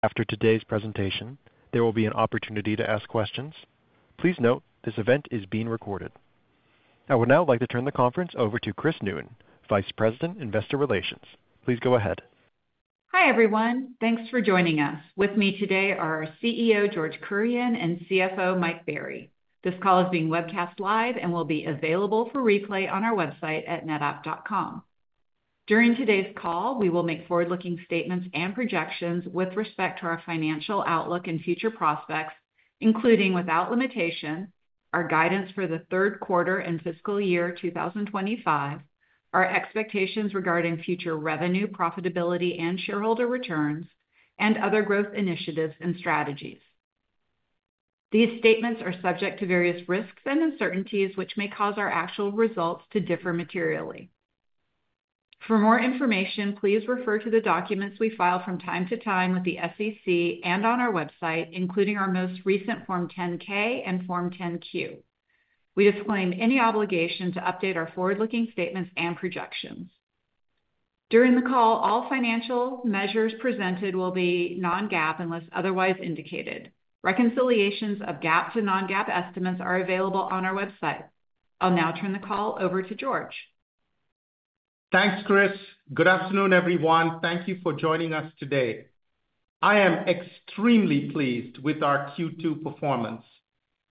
After today's presentation, there will be an opportunity to ask questions. Please note this event is being recorded. I would now like to turn the conference over to Kris Newton, Vice President, Investor Relations. Please go ahead. Hi everyone, thanks for joining us. With me today are our CEO, George Kurian, and CFO, Mike Berry. This call is being webcast live and will be available for replay on our website at NetApp.com. During today's call, we will make forward-looking statements and projections with respect to our financial outlook and future prospects, including without limitation, our guidance for the third quarter and fiscal year 2025, our expectations regarding future revenue, profitability, and shareholder returns, and other growth initiatives and strategies. These statements are subject to various risks and uncertainties, which may cause our actual results to differ materially. For more information, please refer to the documents we file from time to time with the SEC and on our website, including our most recent Form 10-K and Form 10-Q. We disclaim any obligation to update our forward-looking statements and projections. During the call, all financial measures presented will be non-GAAP unless otherwise indicated. Reconciliations of GAAP to non-GAAP estimates are available on our website. I'll now turn the call over to George. Thanks, Kris. Good afternoon, everyone. Thank you for joining us today. I am extremely pleased with our Q2 performance.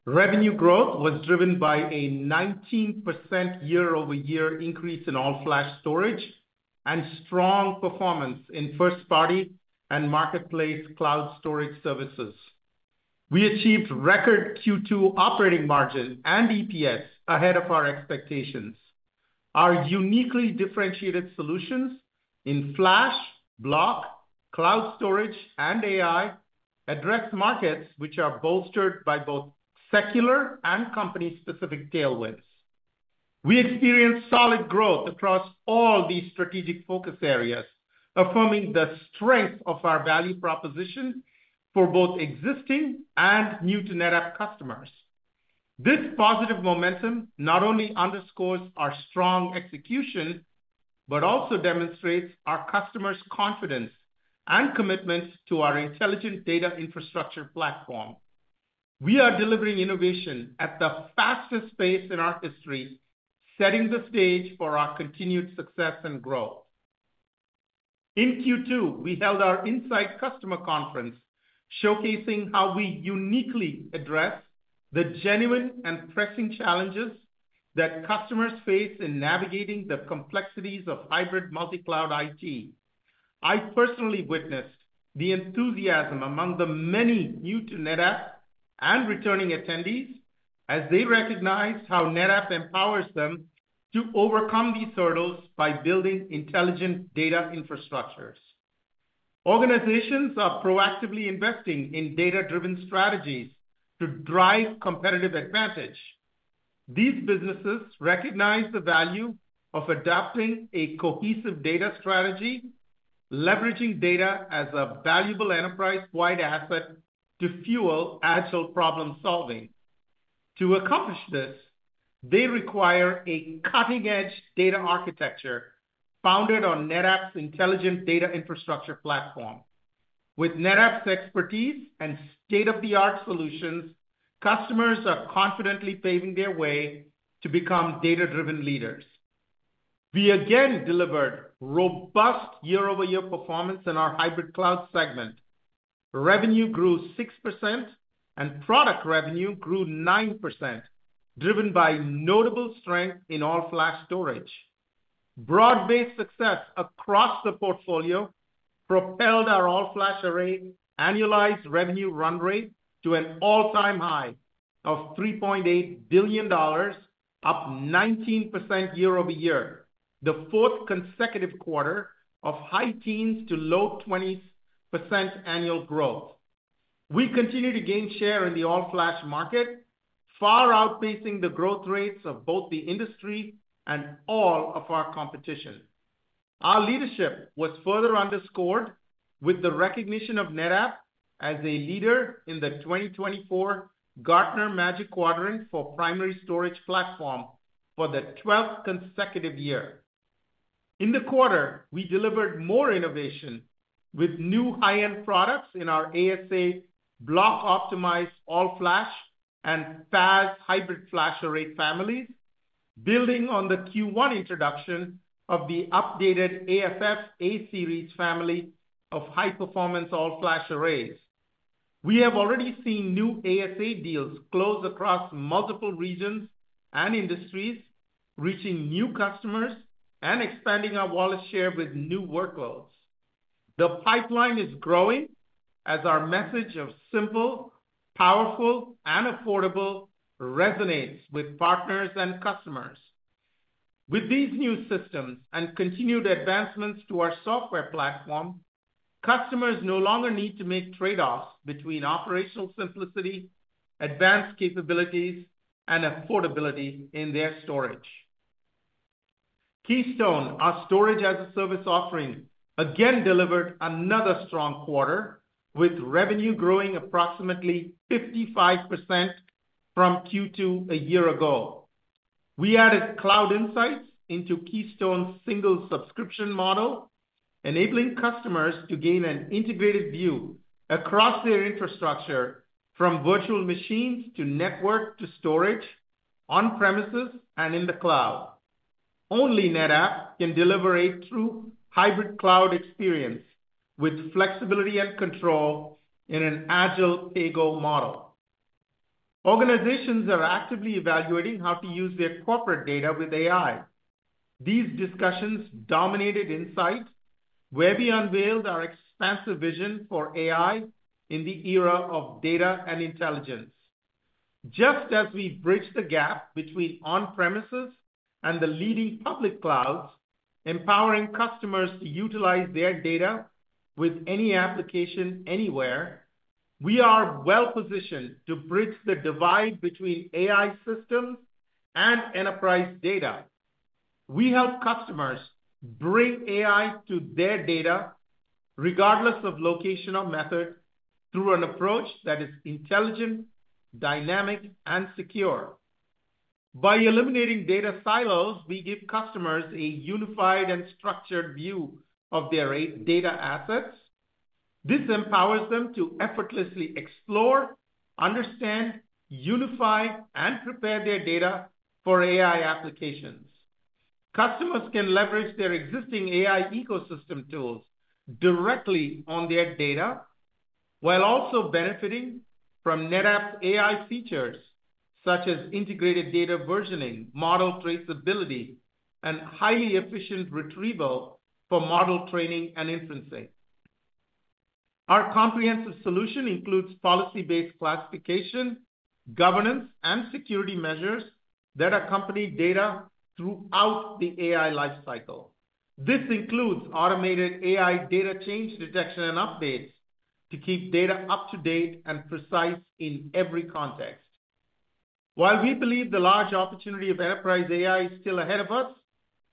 Revenue growth was driven by a 19% year-over-year increase in all-flash storage and strong performance in first-party and marketplace cloud storage services. We achieved record Q2 operating margin and EPS ahead of our expectations. Our uniquely differentiated solutions in flash, block, cloud storage, and AI address markets which are bolstered by both secular and company-specific tailwinds. We experienced solid growth across all these strategic focus areas, affirming the strength of our value proposition for both existing and new-to-NetApp customers. This positive momentum not only underscores our strong execution but also demonstrates our customers' confidence and commitment to our intelligent data infrastructure platform. We are delivering innovation at the fastest pace in our history, setting the stage for our continued success and growth. In Q2, we held our Insight Customer Conference, showcasing how we uniquely address the genuine and pressing challenges that customers face in navigating the complexities of hybrid multi-cloud IT. I personally witnessed the enthusiasm among the many new-to-NetApp and returning attendees as they recognized how NetApp empowers them to overcome these hurdles by building intelligent data infrastructures. Organizations are proactively investing in data-driven strategies to drive competitive advantage. These businesses recognize the value of adopting a cohesive data strategy, leveraging data as a valuable enterprise-wide asset to fuel agile problem-solving. To accomplish this, they require a cutting-edge data architecture founded on NetApp's intelligent data infrastructure platform. With NetApp's expertise and state-of-the-art solutions, customers are confidently paving their way to become data-driven leaders. We again delivered robust year-over-year performance in our hybrid cloud segment. Revenue grew 6%, and product revenue grew 9%, driven by notable strength in all-flash storage. Broad-based success across the portfolio propelled our all-flash array annualized revenue run rate to an all-time high of $3.8 billion, up 19% year-over-year, the fourth consecutive quarter of high teens to low 20% annual growth. We continue to gain share in the all-flash market, far outpacing the growth rates of both the industry and all of our competition. Our leadership was further underscored with the recognition of NetApp as a leader in the 2024 Gartner Magic Quadrant for Primary Storage Platform for the 12th consecutive year. In the quarter, we delivered more innovation with new high-end products in our ASA block-optimized all-flash and FAS hybrid flash array families, building on the Q1 introduction of the updated AFF A-Series family of high-performance all-flash arrays. We have already seen new ASA deals close across multiple regions and industries, reaching new customers and expanding our wallet share with new workloads. The pipeline is growing as our message of simple, powerful, and affordable resonates with partners and customers. With these new systems and continued advancements to our software platform, customers no longer need to make trade-offs between operational simplicity, advanced capabilities, and affordability in their storage. Keystone, our storage-as-a-service offering, again delivered another strong quarter, with revenue growing approximately 55% from Q2 a year ago. We added Cloud Insights into Keystone's single subscription model, enabling customers to gain an integrated view across their infrastructure, from virtual machines to network to storage, on-premises and in the cloud. Only NetApp can deliver a true hybrid cloud experience with flexibility and control in an agile paygo model. Organizations are actively evaluating how to use their corporate data with AI. These discussions dominated Insight, where we unveiled our expansive vision for AI in the era of data and intelligence. Just as we bridge the gap between on-premises and the leading public clouds, empowering customers to utilize their data with any application anywhere, we are well-positioned to bridge the divide between AI systems and enterprise data. We help customers bring AI to their data, regardless of location or method, through an approach that is intelligent, dynamic, and secure. By eliminating data silos, we give customers a unified and structured view of their data assets. This empowers them to effortlessly explore, understand, unify, and prepare their data for AI applications. Customers can leverage their existing AI ecosystem tools directly on their data, while also benefiting from NetApp's AI features, such as integrated data versioning, model traceability, and highly efficient retrieval for model training and inferencing. Our comprehensive solution includes policy-based classification, governance, and security measures that accompany data throughout the AI lifecycle. This includes automated AI data change detection and updates to keep data up-to-date and precise in every context. While we believe the large opportunity of enterprise AI is still ahead of us,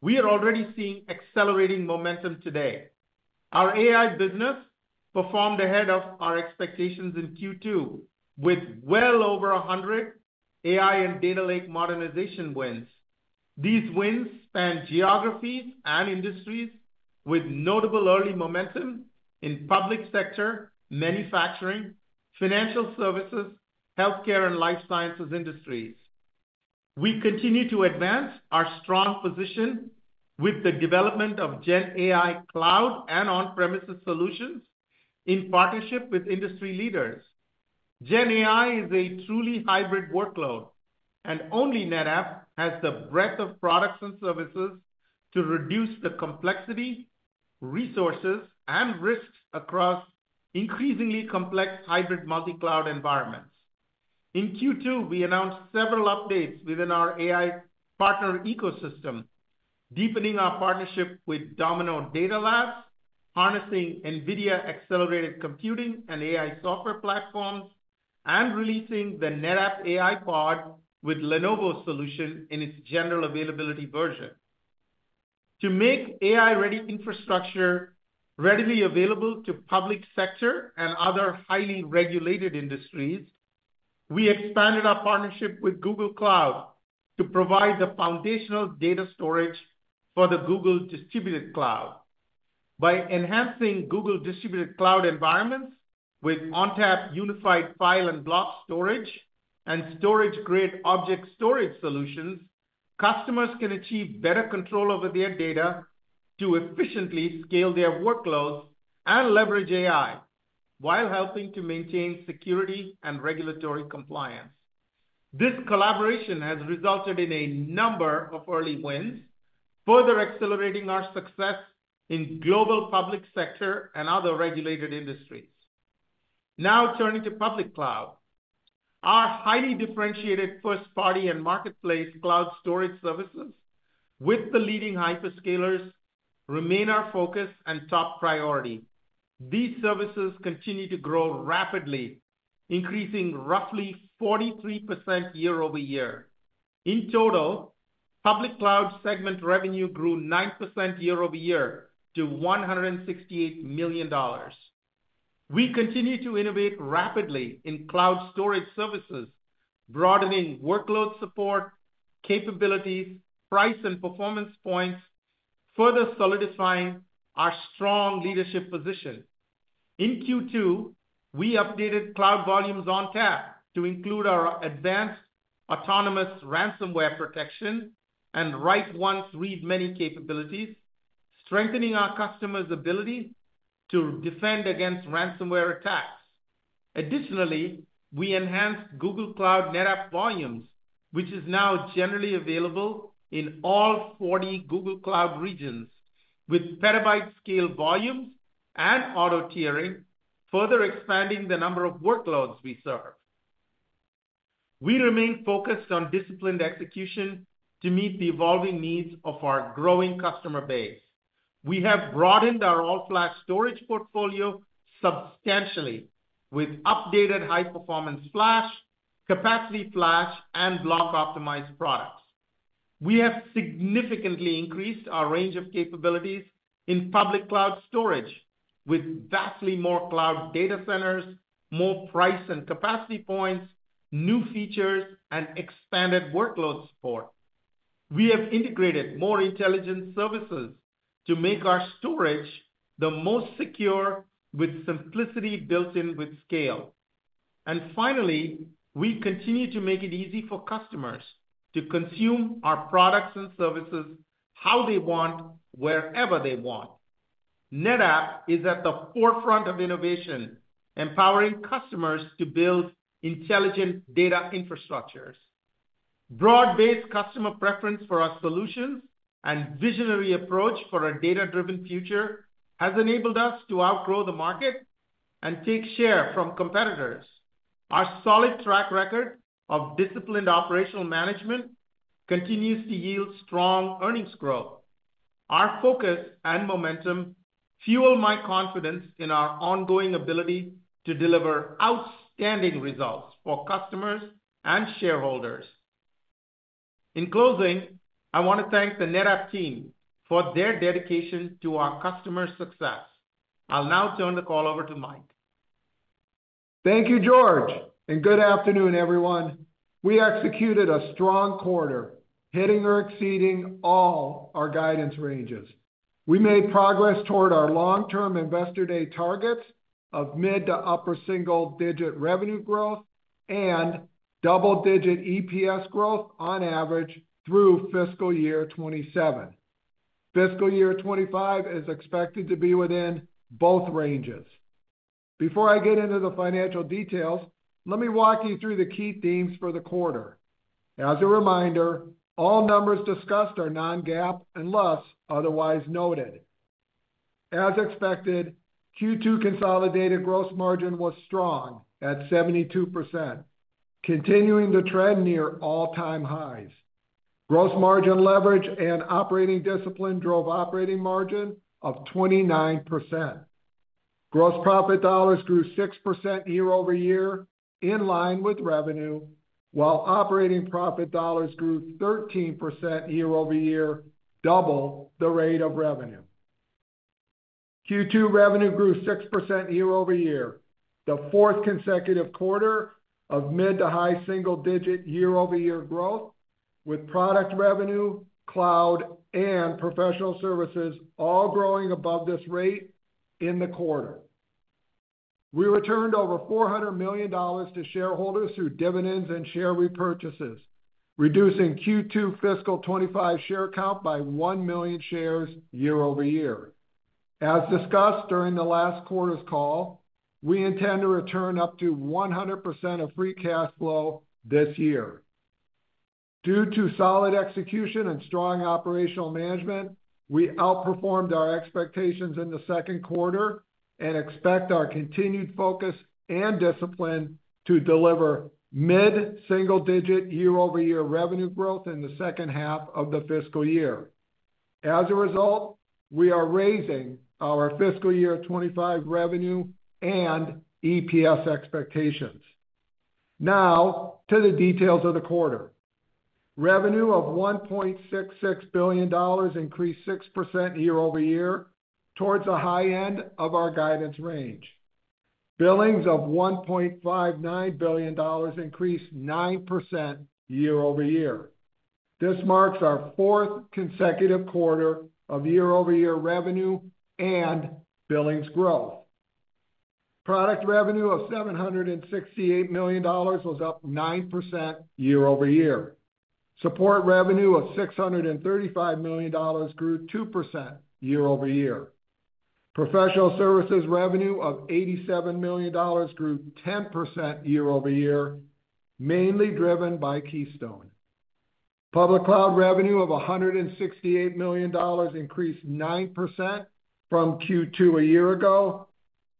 we are already seeing accelerating momentum today. Our AI business performed ahead of our expectations in Q2 with well over 100 AI and data lake modernization wins. These wins span geographies and industries with notable early momentum in public sector, manufacturing, financial services, healthcare, and life sciences industries. We continue to advance our strong position with the development of GenAI cloud and on-premises solutions in partnership with industry leaders. GenAI is a truly hybrid workload, and only NetApp has the breadth of products and services to reduce the complexity, resources, and risks across increasingly complex hybrid multi-cloud environments. In Q2, we announced several updates within our AI partner ecosystem, deepening our partnership with Domino Data Lab, harnessing NVIDIA accelerated computing and AI software platforms, and releasing the NetApp AIPod with Lenovo's solution in its general availability version. To make AI-ready infrastructure readily available to public sector and other highly regulated industries, we expanded our partnership with Google Cloud to provide the foundational data storage for the Google Distributed Cloud. By enhancing Google Distributed Cloud environments with ONTAP unified file and block storage and StorageGRID object storage solutions, customers can achieve better control over their data to efficiently scale their workloads and leverage AI while helping to maintain security and regulatory compliance. This collaboration has resulted in a number of early wins, further accelerating our success in global public sector and other regulated industries. Now turning to public cloud, our highly differentiated first-party and marketplace cloud storage services with the leading hyperscalers remain our focus and top priority. These services continue to grow rapidly, increasing roughly 43% year-over-year. In total, public cloud segment revenue grew 9% year-over-year to $168 million. We continue to innovate rapidly in cloud storage services, broadening workload support capabilities, price, and performance points, further solidifying our strong leadership position. In Q2, we updated Cloud Volumes ONTAP to include our advanced Autonomous Ransomware Protection and write-once-read-many capabilities, strengthening our customers' ability to defend against ransomware attacks. Additionally, we enhanced Google Cloud NetApp Volumes, which is now generally available in all 40 Google Cloud regions, with petabyte-scale volumes and auto tiering, further expanding the number of workloads we serve. We remain focused on disciplined execution to meet the evolving needs of our growing customer base. We have broadened our all-flash storage portfolio substantially with updated high-performance flash, capacity flash, and block-optimized products. We have significantly increased our range of capabilities in public cloud storage with vastly more cloud data centers, more price and capacity points, new features, and expanded workload support. We have integrated more intelligent services to make our storage the most secure with simplicity built in with scale. And finally, we continue to make it easy for customers to consume our products and services how they want, wherever they want. NetApp is at the forefront of innovation, empowering customers to build intelligent data infrastructures. Broad-based customer preference for our solutions and visionary approach for a data-driven future has enabled us to outgrow the market and take share from competitors. Our solid track record of disciplined operational management continues to yield strong earnings growth. Our focus and momentum fuel my confidence in our ongoing ability to deliver outstanding results for customers and shareholders. In closing, I want to thank the NetApp team for their dedication to our customer success. I'll now turn the call over to Mike. Thank you, George, and good afternoon, everyone. We executed a strong quarter, hitting or exceeding all our guidance ranges. We made progress toward our long-term investor-day targets of mid to upper single-digit revenue growth and double-digit EPS growth on average through fiscal year 2027. Fiscal year 2025 is expected to be within both ranges. Before I get into the financial details, let me walk you through the key themes for the quarter. As a reminder, all numbers discussed are non-GAAP unless otherwise noted. As expected, Q2 consolidated gross margin was strong at 72%, continuing the trend near all-time highs. Gross margin leverage and operating discipline drove operating margin of 29%. Gross profit dollars grew 6% year-over-year, in line with revenue, while operating profit dollars grew 13% year-over-year, double the rate of revenue. Q2 revenue grew 6% year-over-year, the fourth consecutive quarter of mid to high single-digit year-over-year growth, with product revenue, cloud, and professional services all growing above this rate in the quarter. We returned over $400 million to shareholders through dividends and share repurchases, reducing Q2 fiscal 2025 share count by 1 million shares year-over-year. As discussed during the last quarter's call, we intend to return up to 100% of free cash flow this year. Due to solid execution and strong operational management, we outperformed our expectations in the second quarter and expect our continued focus and discipline to deliver mid single-digit year-over-year revenue growth in the second half of the fiscal year. As a result, we are raising our fiscal year 2025 revenue and EPS expectations. Now to the details of the quarter. Revenue of $1.66 billion increased 6% year-over-year towards the high end of our guidance range. Billings of $1.59 billion increased 9% year-over-year. This marks our fourth consecutive quarter of year-over-year revenue and billings growth. Product revenue of $768 million was up 9% year-over-year. Support revenue of $635 million grew 2% year-over-year. Professional services revenue of $87 million grew 10% year-over-year, mainly driven by Keystone. Public cloud revenue of $168 million increased 9% from Q2 a year ago,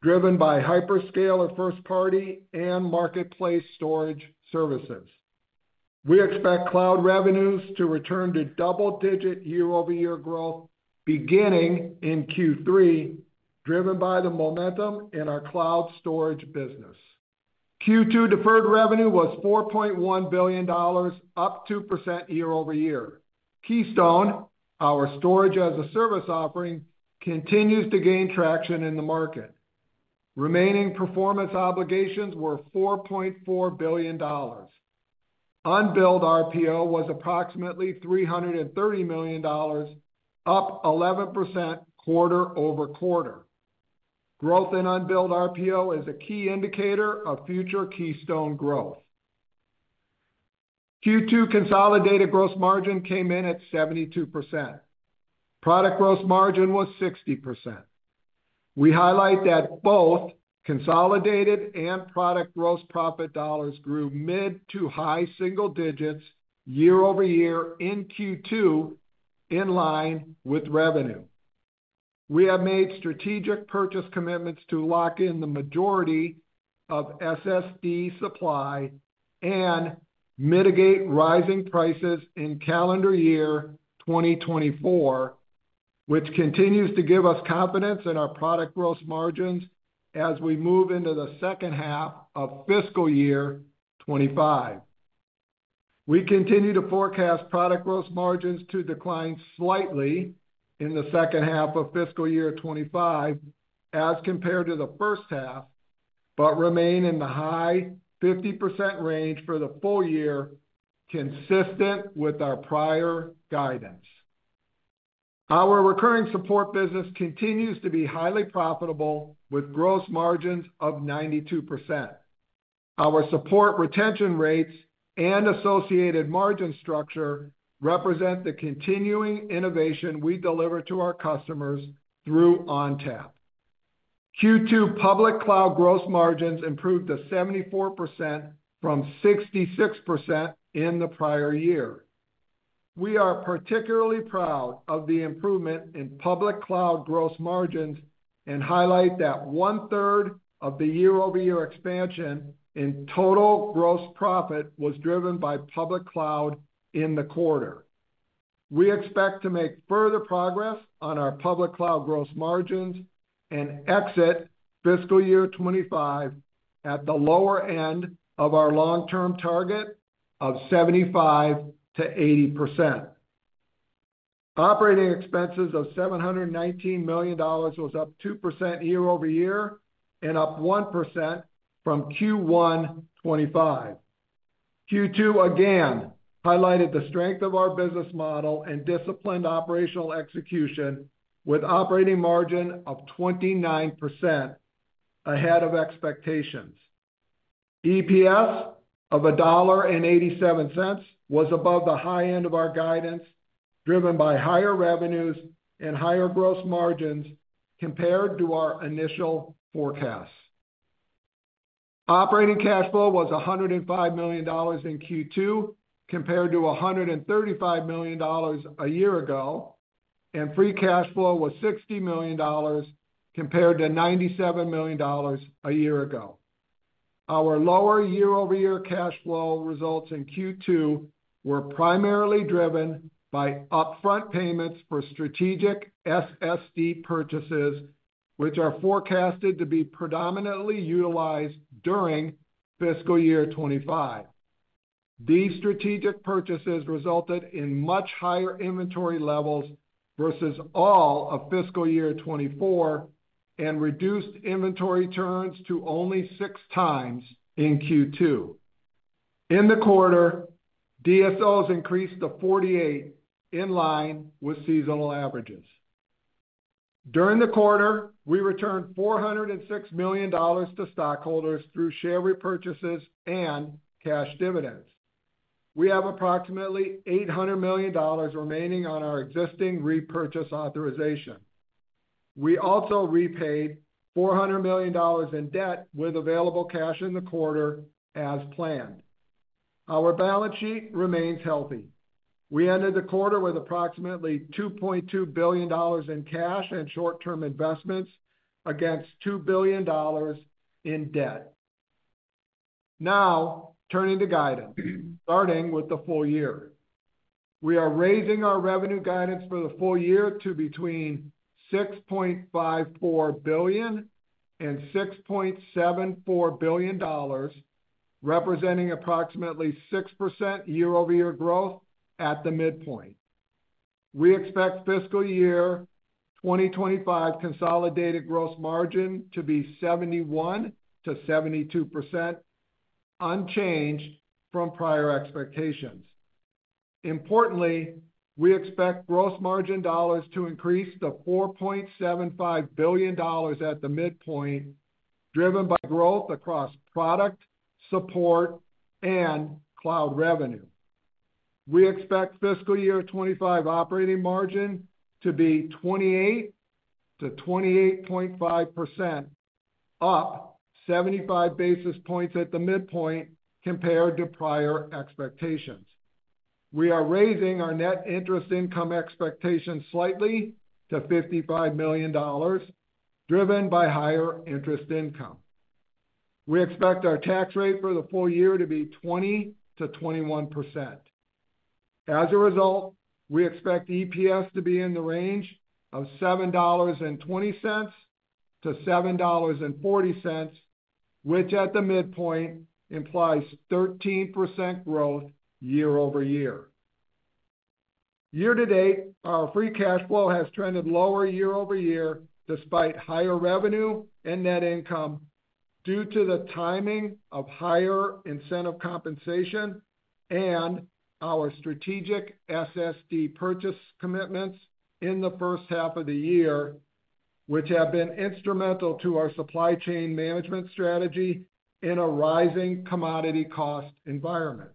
driven by hyperscaler first-party and marketplace storage services. We expect cloud revenues to return to double-digit year-over-year growth beginning in Q3, driven by the momentum in our cloud storage business. Q2 deferred revenue was $4.1 billion, up 2% year-over-year. Keystone, our storage-as-a-service offering, continues to gain traction in the market. Remaining performance obligations were $4.4 billion. Unbilled RPO was approximately $330 million, up 11% quarter over quarter. Growth in unbilled RPO is a key indicator of future Keystone growth. Q2 consolidated gross margin came in at 72%. Product gross margin was 60%. We highlight that both consolidated and product gross profit dollars grew mid to high single digits year-over-year in Q2, in line with revenue. We have made strategic purchase commitments to lock in the majority of SSD supply and mitigate rising prices in calendar year 2024, which continues to give us confidence in our product gross margins as we move into the second half of fiscal year 2025. We continue to forecast product gross margins to decline slightly in the second half of fiscal year 2025 as compared to the first half, but remain in the high 50% range for the full year, consistent with our prior guidance. Our recurring support business continues to be highly profitable with gross margins of 92%. Our support retention rates and associated margin structure represent the continuing innovation we deliver to our customers through ONTAP. Q2 public cloud gross margins improved to 74% from 66% in the prior year. We are particularly proud of the improvement in public cloud gross margins and highlight that one-third of the year-over-year expansion in total gross profit was driven by public cloud in the quarter. We expect to make further progress on our public cloud gross margins and exit fiscal year 2025 at the lower end of our long-term target of 75%-80%. Operating expenses of $719 million was up 2% year-over-year and up 1% from Q1 2025. Q2 again highlighted the strength of our business model and disciplined operational execution with operating margin of 29% ahead of expectations. EPS of $1.87 was above the high end of our guidance, driven by higher revenues and higher gross margins compared to our initial forecasts. Operating cash flow was $105 million in Q2 compared to $135 million a year ago, and free cash flow was $60 million compared to $97 million a year ago. Our lower year-over-year cash flow results in Q2 were primarily driven by upfront payments for strategic SSD purchases, which are forecasted to be predominantly utilized during fiscal year 2025. These strategic purchases resulted in much higher inventory levels versus all of fiscal year 2024 and reduced inventory turns to only six times in Q2. In the quarter, DSOs increased to 48% in line with seasonal averages. During the quarter, we returned $406 million to stockholders through share repurchases and cash dividends. We have approximately $800 million remaining on our existing repurchase authorization. We also repaid $400 million in debt with available cash in the quarter as planned. Our balance sheet remains healthy. We ended the quarter with approximately $2.2 billion in cash and short-term investments against $2 billion in debt. Now turning to guidance, starting with the full year. We are raising our revenue guidance for the full year to between $6.54 billion and $6.74 billion, representing approximately 6% year-over-year growth at the midpoint. We expect fiscal year 2025 consolidated gross margin to be 71%-72%, unchanged from prior expectations. Importantly, we expect gross margin dollars to increase to $4.75 billion at the midpoint, driven by growth across product, support, and cloud revenue. We expect fiscal year 2025 operating margin to be 28%-28.5%, up 75 basis points at the midpoint compared to prior expectations. We are raising our net interest income expectation slightly to $55 million, driven by higher interest income. We expect our tax rate for the full year to be 20%-21%. As a result, we expect EPS to be in the range of $7.20-$7.40, which at the midpoint implies 13% growth year-over-year. Year to date, our free cash flow has trended lower year-over-year despite higher revenue and net income due to the timing of higher incentive compensation and our strategic SSD purchase commitments in the first half of the year, which have been instrumental to our supply chain management strategy in a rising commodity cost environment.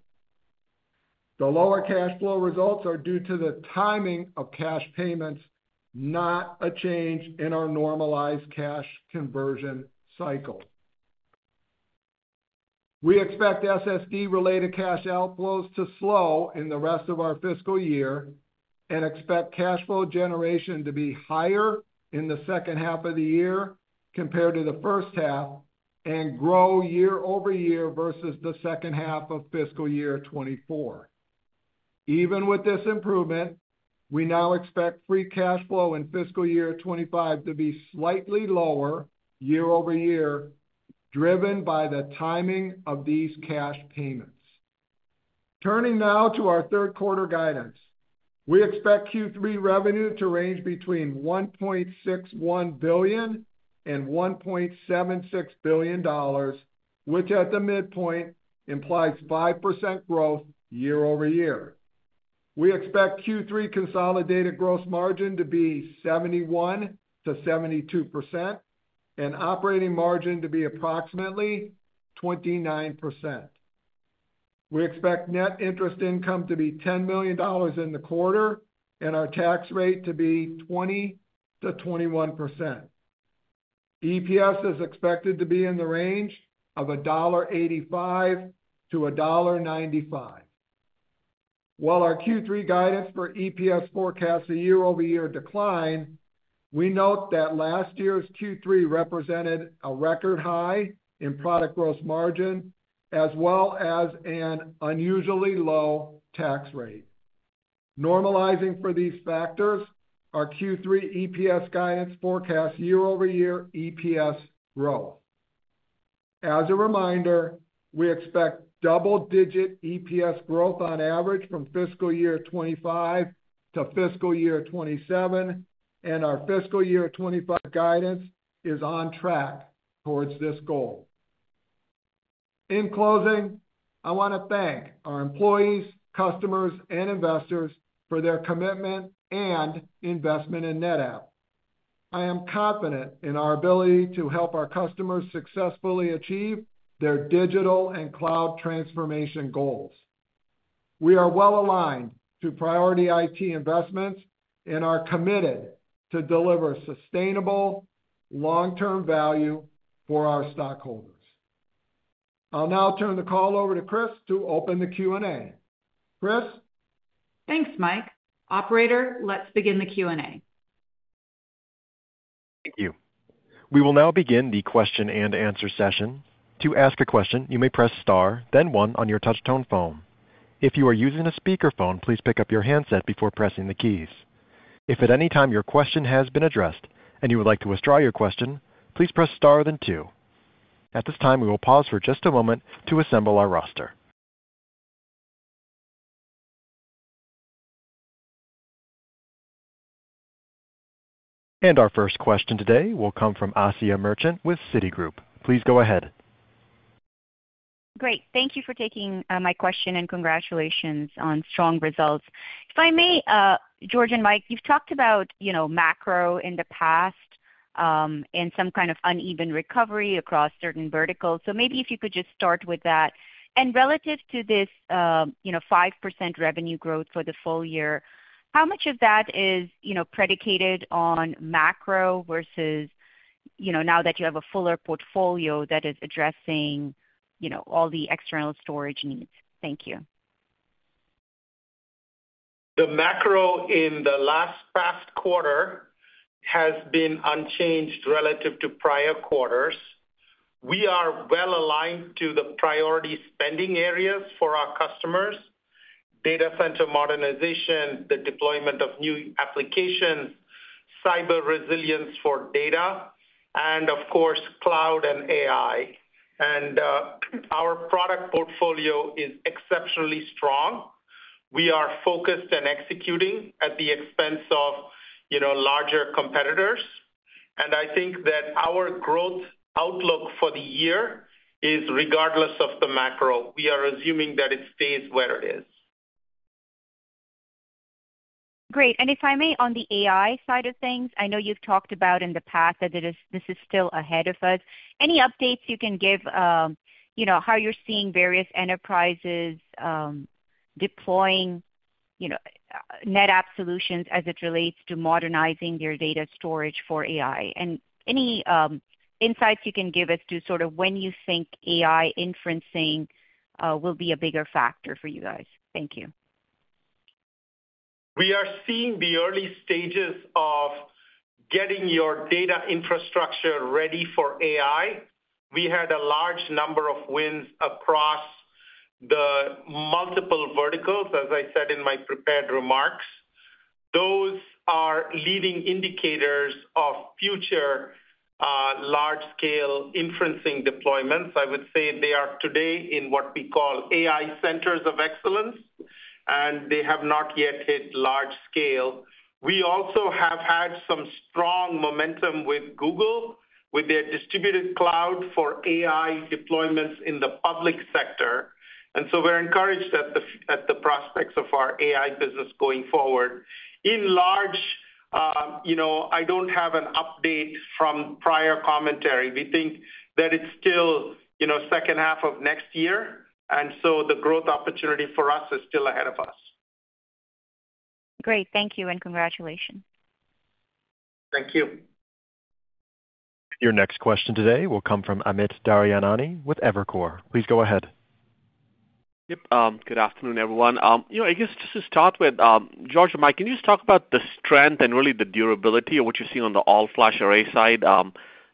The lower cash flow results are due to the timing of cash payments, not a change in our normalized cash conversion cycle. We expect SSD-related cash outflows to slow in the rest of our fiscal year and expect cash flow generation to be higher in the second half of the year compared to the first half and grow year-over-year versus the second half of fiscal year 2024. Even with this improvement, we now expect free cash flow in fiscal year 2025 to be slightly lower year-over-year, driven by the timing of these cash payments. Turning now to our third quarter guidance, we expect Q3 revenue to range between $1.61 billion-$1.76 billion, which at the midpoint implies 5% growth year-over-year. We expect Q3 consolidated gross margin to be 71%-72% and operating margin to be approximately 29%. We expect net interest income to be $10 million in the quarter and our tax rate to be 20%-21%. EPS is expected to be in the range of $1.85-$1.95. While our Q3 guidance for EPS forecasts a year-over-year decline, we note that last year's Q3 represented a record high in product gross margin as well as an unusually low tax rate. Normalizing for these factors are Q3 EPS guidance forecasts year-over-year EPS growth. As a reminder, we expect double-digit EPS growth on average from fiscal year 2025 to fiscal year 2027, and our fiscal year 2025 guidance is on track towards this goal. In closing, I want to thank our employees, customers, and investors for their commitment and investment in NetApp. I am confident in our ability to help our customers successfully achieve their digital and cloud transformation goals. We are well aligned to priority IT investments and are committed to deliver sustainable long-term value for our stockholders. I'll now turn the call over to Kris to open the Q&A. Kris? Thanks, Mike. Operator, let's begin the Q&A. Thank you. We will now begin the question and answer session. To ask a question, you may press star, then one on your touch-tone phone. If you are using a speakerphone, please pick up your handset before pressing the keys. If at any time your question has been addressed and you would like to withdraw your question, please press star then two. At this time, we will pause for just a moment to assemble our roster. And our first question today will come from Asiya Merchant with Citigroup. Please go ahead. Great. Thank you for taking my question and congratulations on strong results. If I may, George and Mike, you've talked about macro in the past and some kind of uneven recovery across certain verticals. So maybe if you could just start with that. And relative to this 5% revenue growth for the full year, how much of that is predicated on macro versus now that you have a fuller portfolio that is addressing all the external storage needs? Thank you. The macro in the last past quarter has been unchanged relative to prior quarters. We are well aligned to the priority spending areas for our customers: data center modernization, the deployment of new applications, cyber resilience for data, and of course, cloud and AI. And our product portfolio is exceptionally strong. We are focused and executing at the expense of larger competitors. And I think that our growth outlook for the year is regardless of the macro. We are assuming that it stays where it is. Great. And if I may, on the AI side of things, I know you've talked about in the past that this is still ahead of us. Any updates you can give how you're seeing various enterprises deploying NetApp solutions as it relates to modernizing their data storage for AI? And any insights you can give as to sort of when you think AI inferencing will be a bigger factor for you guys? Thank you. We are seeing the early stages of getting your data infrastructure ready for AI. We had a large number of wins across the multiple verticals, as I said in my prepared remarks. Those are leading indicators of future large-scale inferencing deployments. I would say they are today in what we call AI centers of excellence, and they have not yet hit large scale. We also have had some strong momentum with Google, with their Distributed Cloud for AI deployments in the public sector. And so we're encouraged at the prospects of our AI business going forward. In large, I don't have an update from prior commentary. We think that it's still second half of next year, and so the growth opportunity for us is still ahead of us. Great. Thank you and congratulations. Thank you. Your next question today will come from Amit Daryanani with Evercore. Please go ahead. Yep. Good afternoon, everyone. I guess just to start with, George and Mike, can you just talk about the strength and really the durability of what you're seeing on the all-flash array side?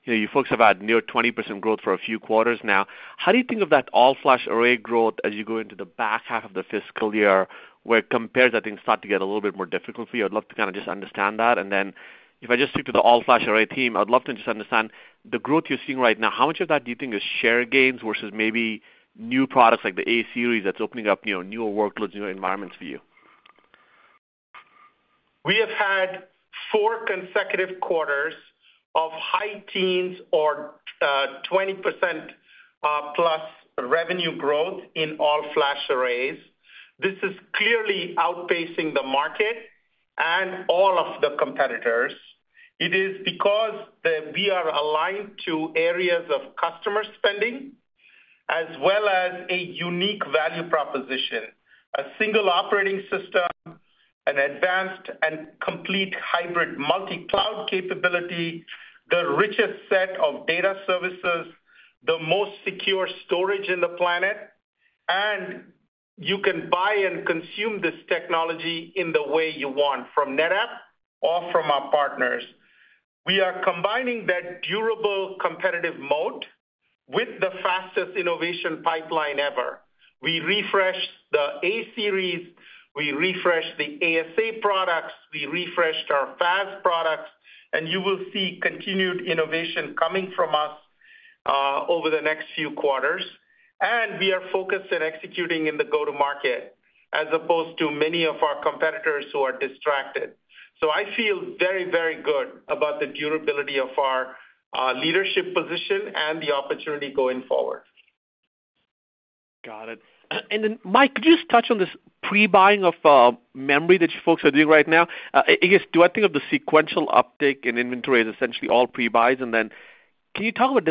You folks have had near 20% growth for a few quarters now. How do you think of that all-flash array growth as you go into the back half of the fiscal year where comparison things start to get a little bit more difficult for you? I'd love to kind of just understand that. And then if I just speak to the all-flash array team, I'd love to just understand the growth you're seeing right now. How much of that do you think is share gains versus maybe new products like the A-Series that's opening up newer workloads, newer environments for you? We have had four consecutive quarters of high teens or 20% plus revenue growth in all-flash arrays. This is clearly outpacing the market and all of the competitors. It is because we are aligned to areas of customer spending as well as a unique value proposition: a single operating system, an advanced and complete hybrid multi-cloud capability, the richest set of data services, the most secure storage on the planet. And you can buy and consume this technology in the way you want from NetApp or from our partners. We are combining that durable competitive moat with the fastest innovation pipeline ever. We refreshed the A-Series, we refreshed the ASA products, we refreshed our FAS products, and you will see continued innovation coming from us over the next few quarters. And we are focused and executing in the go-to-market as opposed to many of our competitors who are distracted. So I feel very, very good about the durability of our leadership position and the opportunity going forward. Got it. And then, Mike, could you just touch on this pre-buying of memory that you folks are doing right now? I guess, do I think of the sequential uptake in inventory as essentially all pre-buys? And then can you talk about,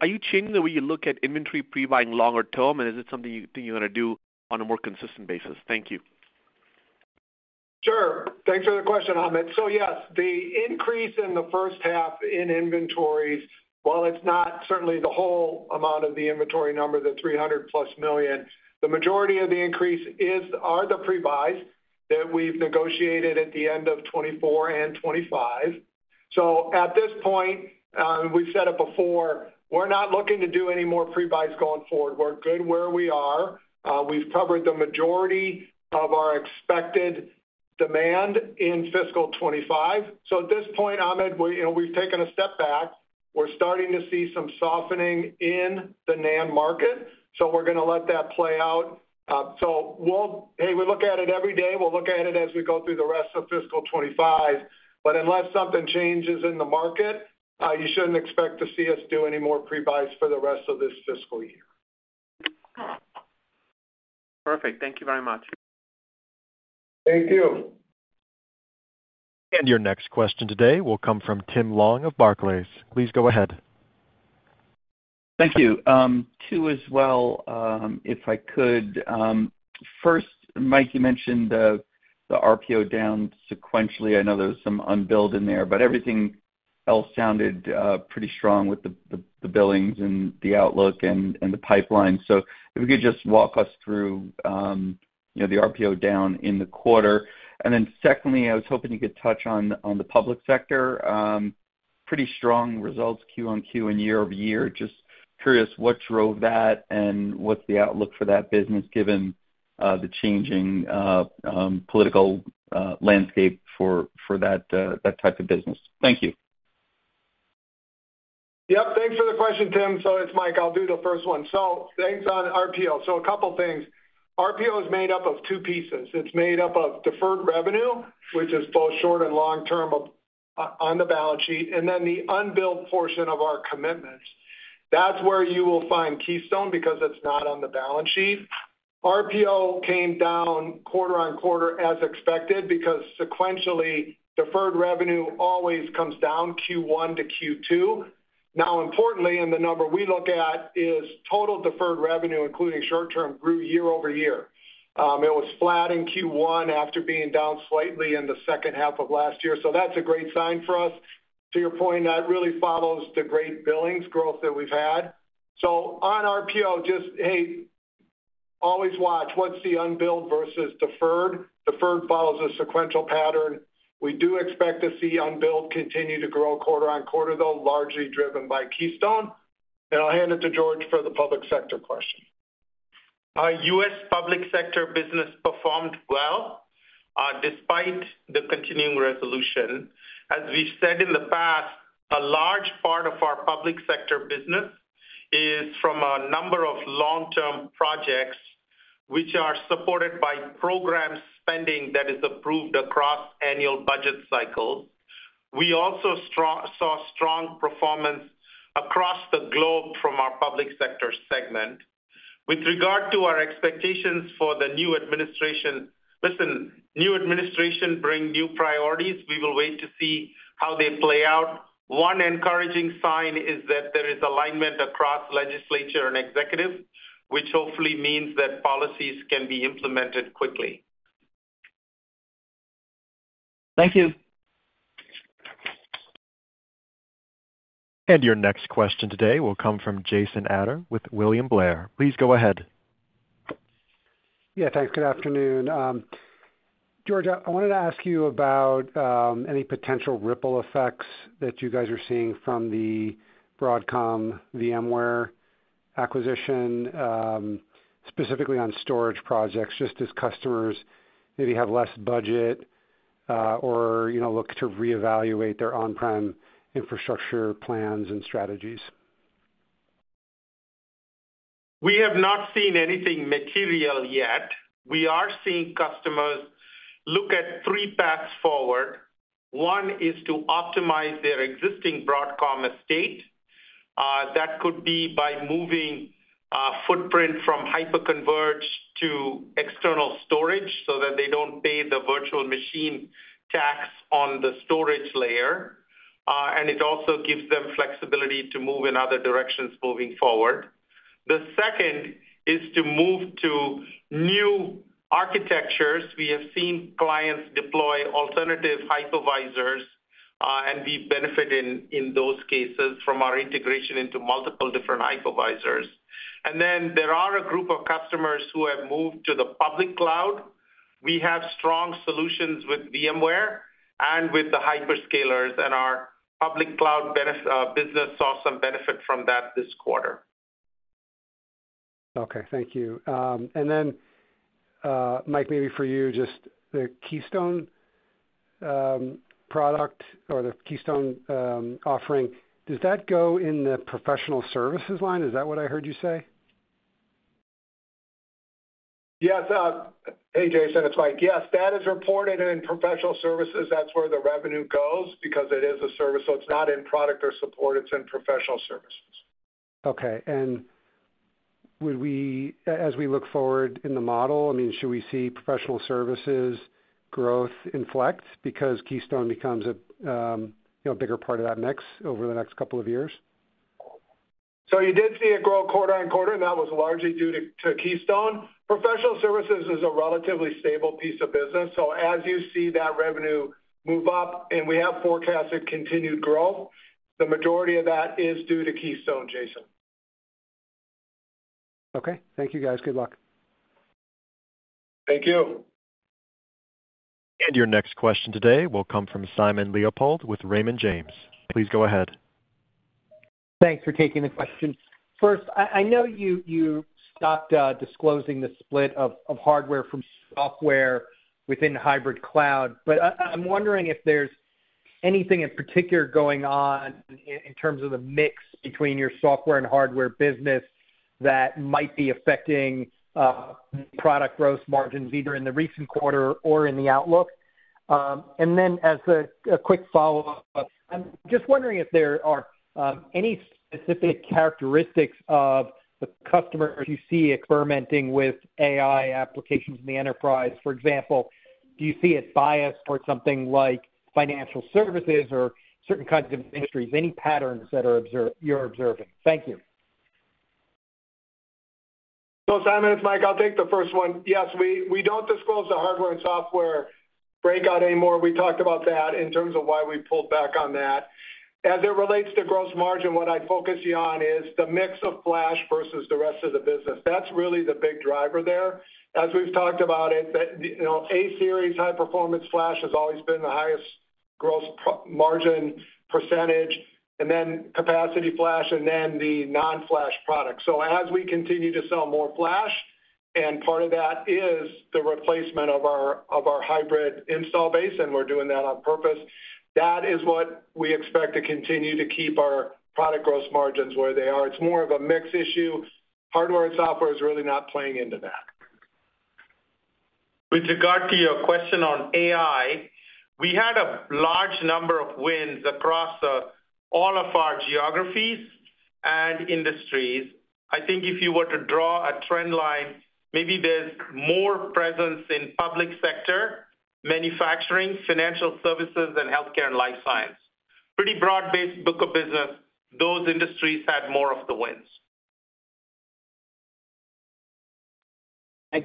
are you changing the way you look at inventory pre-buying longer term, and is it something you think you're going to do on a more consistent basis? Thank you. Sure. Thanks for the question, Amit. So yes, the increase in the first half in inventories, while it's not certainly the whole amount of the inventory number, the $300-plus million, the majority of the increase are the pre-buys that we've negotiated at the end of 2024 and 2025, so at this point, we've said it before, we're not looking to do any more pre-buys going forward. We're good where we are. We've covered the majority of our expected demand in fiscal 2025, so at this point, Amit, we've taken a step back. We're starting to see some softening in the NAND market, so we're going to let that play out, so hey, we look at it every day. We'll look at it as we go through the rest of fiscal 2025. But unless something changes in the market, you shouldn't expect to see us do any more pre-buys for the rest of this fiscal year. Perfect. Thank you very much. Thank you. And your next question today will come from Tim Long of Barclays. Please go ahead. Thank you. Two as well, if I could. First, Mike, you mentioned the RPO down sequentially. I know there was some unbilled in there, but everything else sounded pretty strong with the billings and the outlook and the pipeline. So if you could just walk us through the RPO down in the quarter. And then secondly, I was hoping you could touch on the public sector. Pretty strong results, QoQ and year over year. Just curious what drove that and what's the outlook for that business given the changing political landscape for that type of business. Thank you. Thanks for the question, Tim. So it's Mike. I'll do the first one. So thanks on RPO. So a couple of things. RPO is made up of two pieces. It's made up of deferred revenue, which is both short- and long-term on the balance sheet, and then the unbilled portion of our commitments. That's where you will find Keystone because it's not on the balance sheet. RPO came down quarter on quarter as expected because sequentially deferred revenue always comes down Q1 to Q2. Now, importantly, and the number we look at is total deferred revenue, including short-term, grew year over year. It was flat in Q1 after being down slightly in the second half of last year. So that's a great sign for us. To your point, that really follows the great billings growth that we've had. On RPO, just hey, always watch what's the unbilled versus deferred. Deferred follows a sequential pattern. We do expect to see unbilled continue to grow quarter on quarter, though, largely driven by Keystone. And I'll hand it to George for the public sector question. U.S. public sector business performed well despite the continuing resolution. As we've said in the past, a large part of our public sector business is from a number of long-term projects which are supported by program spending that is approved across annual budget cycles. We also saw strong performance across the globe from our public sector segment. With regard to our expectations for the new administration, listen, new administration brings new priorities. We will wait to see how they play out. One encouraging sign is that there is alignment across legislature and executive, which hopefully means that policies can be implemented quickly. Thank you. And your next question today will come from Jason Ader with William Blair. Please go ahead. Yeah. Thanks. Good afternoon. George, I wanted to ask you about any potential ripple effects that you guys are seeing from the Broadcom, VMware acquisition, specifically on storage projects, just as customers maybe have less budget or look to reevaluate their on-prem infrastructure plans and strategies. We have not seen anything material yet. We are seeing customers look at three paths forward. One is to optimize their existing Broadcom estate. That could be by moving footprint from hyper-converged to external storage so that they don't pay the virtual machine tax on the storage layer. And it also gives them flexibility to move in other directions moving forward. The second is to move to new architectures. We have seen clients deploy alternative hypervisors, and we benefit in those cases from our integration into multiple different hypervisors. And then there are a group of customers who have moved to the public cloud. We have strong solutions with VMware and with the hyperscalers, and our public cloud business saw some benefit from that this quarter. Okay. Thank you. And then, Mike, maybe for you, just the Keystone product or the Keystone offering, does that go in the professional services line? Is that what I heard you say? Yes. Hey, Jason, it's Mike. Yes. That is reported in professional services. That's where the revenue goes because it is a service. So it's not in product or support. It's in professional services. Okay. As we look forward in the model, I mean, should we see professional services growth inflect because Keystone becomes a bigger part of that mix over the next couple of years? You did see it grow quarter on quarter, and that was largely due to Keystone. Professional services is a relatively stable piece of business. As you see that revenue move up, and we have forecasted continued growth, the majority of that is due to Keystone, Jason. Okay. Thank you, guys. Good luck. Thank you. Your next question today will come from Simon Leopold with Raymond James. Please go ahead. Thanks for taking the question. First, I know you stopped disclosing the split of hardware from software within hybrid cloud, but I'm wondering if there's anything in particular going on in terms of the mix between your software and hardware business that might be affecting product gross margins either in the recent quarter or in the outlook, and then as a quick follow-up, I'm just wondering if there are any specific characteristics of the customers you see experimenting with AI applications in the enterprise. For example, do you see it biased towards something like financial services or certain kinds of industries? Any patterns that you're observing? Thank you. So, Simon, it's Mike. I'll take the first one. Yes. We don't disclose the hardware and software breakout anymore. We talked about that in terms of why we pulled back on that. As it relates to gross margin, what I focus you on is the mix of flash versus the rest of the business. That's really the big driver there. As we've talked about it, A-Series, high-performance flash has always been the highest gross margin percentage, and then capacity flash, and then the non-flash products. So as we continue to sell more flash, and part of that is the replacement of our hybrid install base, and we're doing that on purpose, that is what we expect to continue to keep our product gross margins where they are. It's more of a mix issue. Hardware and software is really not playing into that. With regard to your question on AI, we had a large number of wins across all of our geographies and industries. I think if you were to draw a trend line, maybe there's more presence in public sector, manufacturing, financial services, and healthcare and life science. Pretty broad-based book of business, those industries had more of the wins. And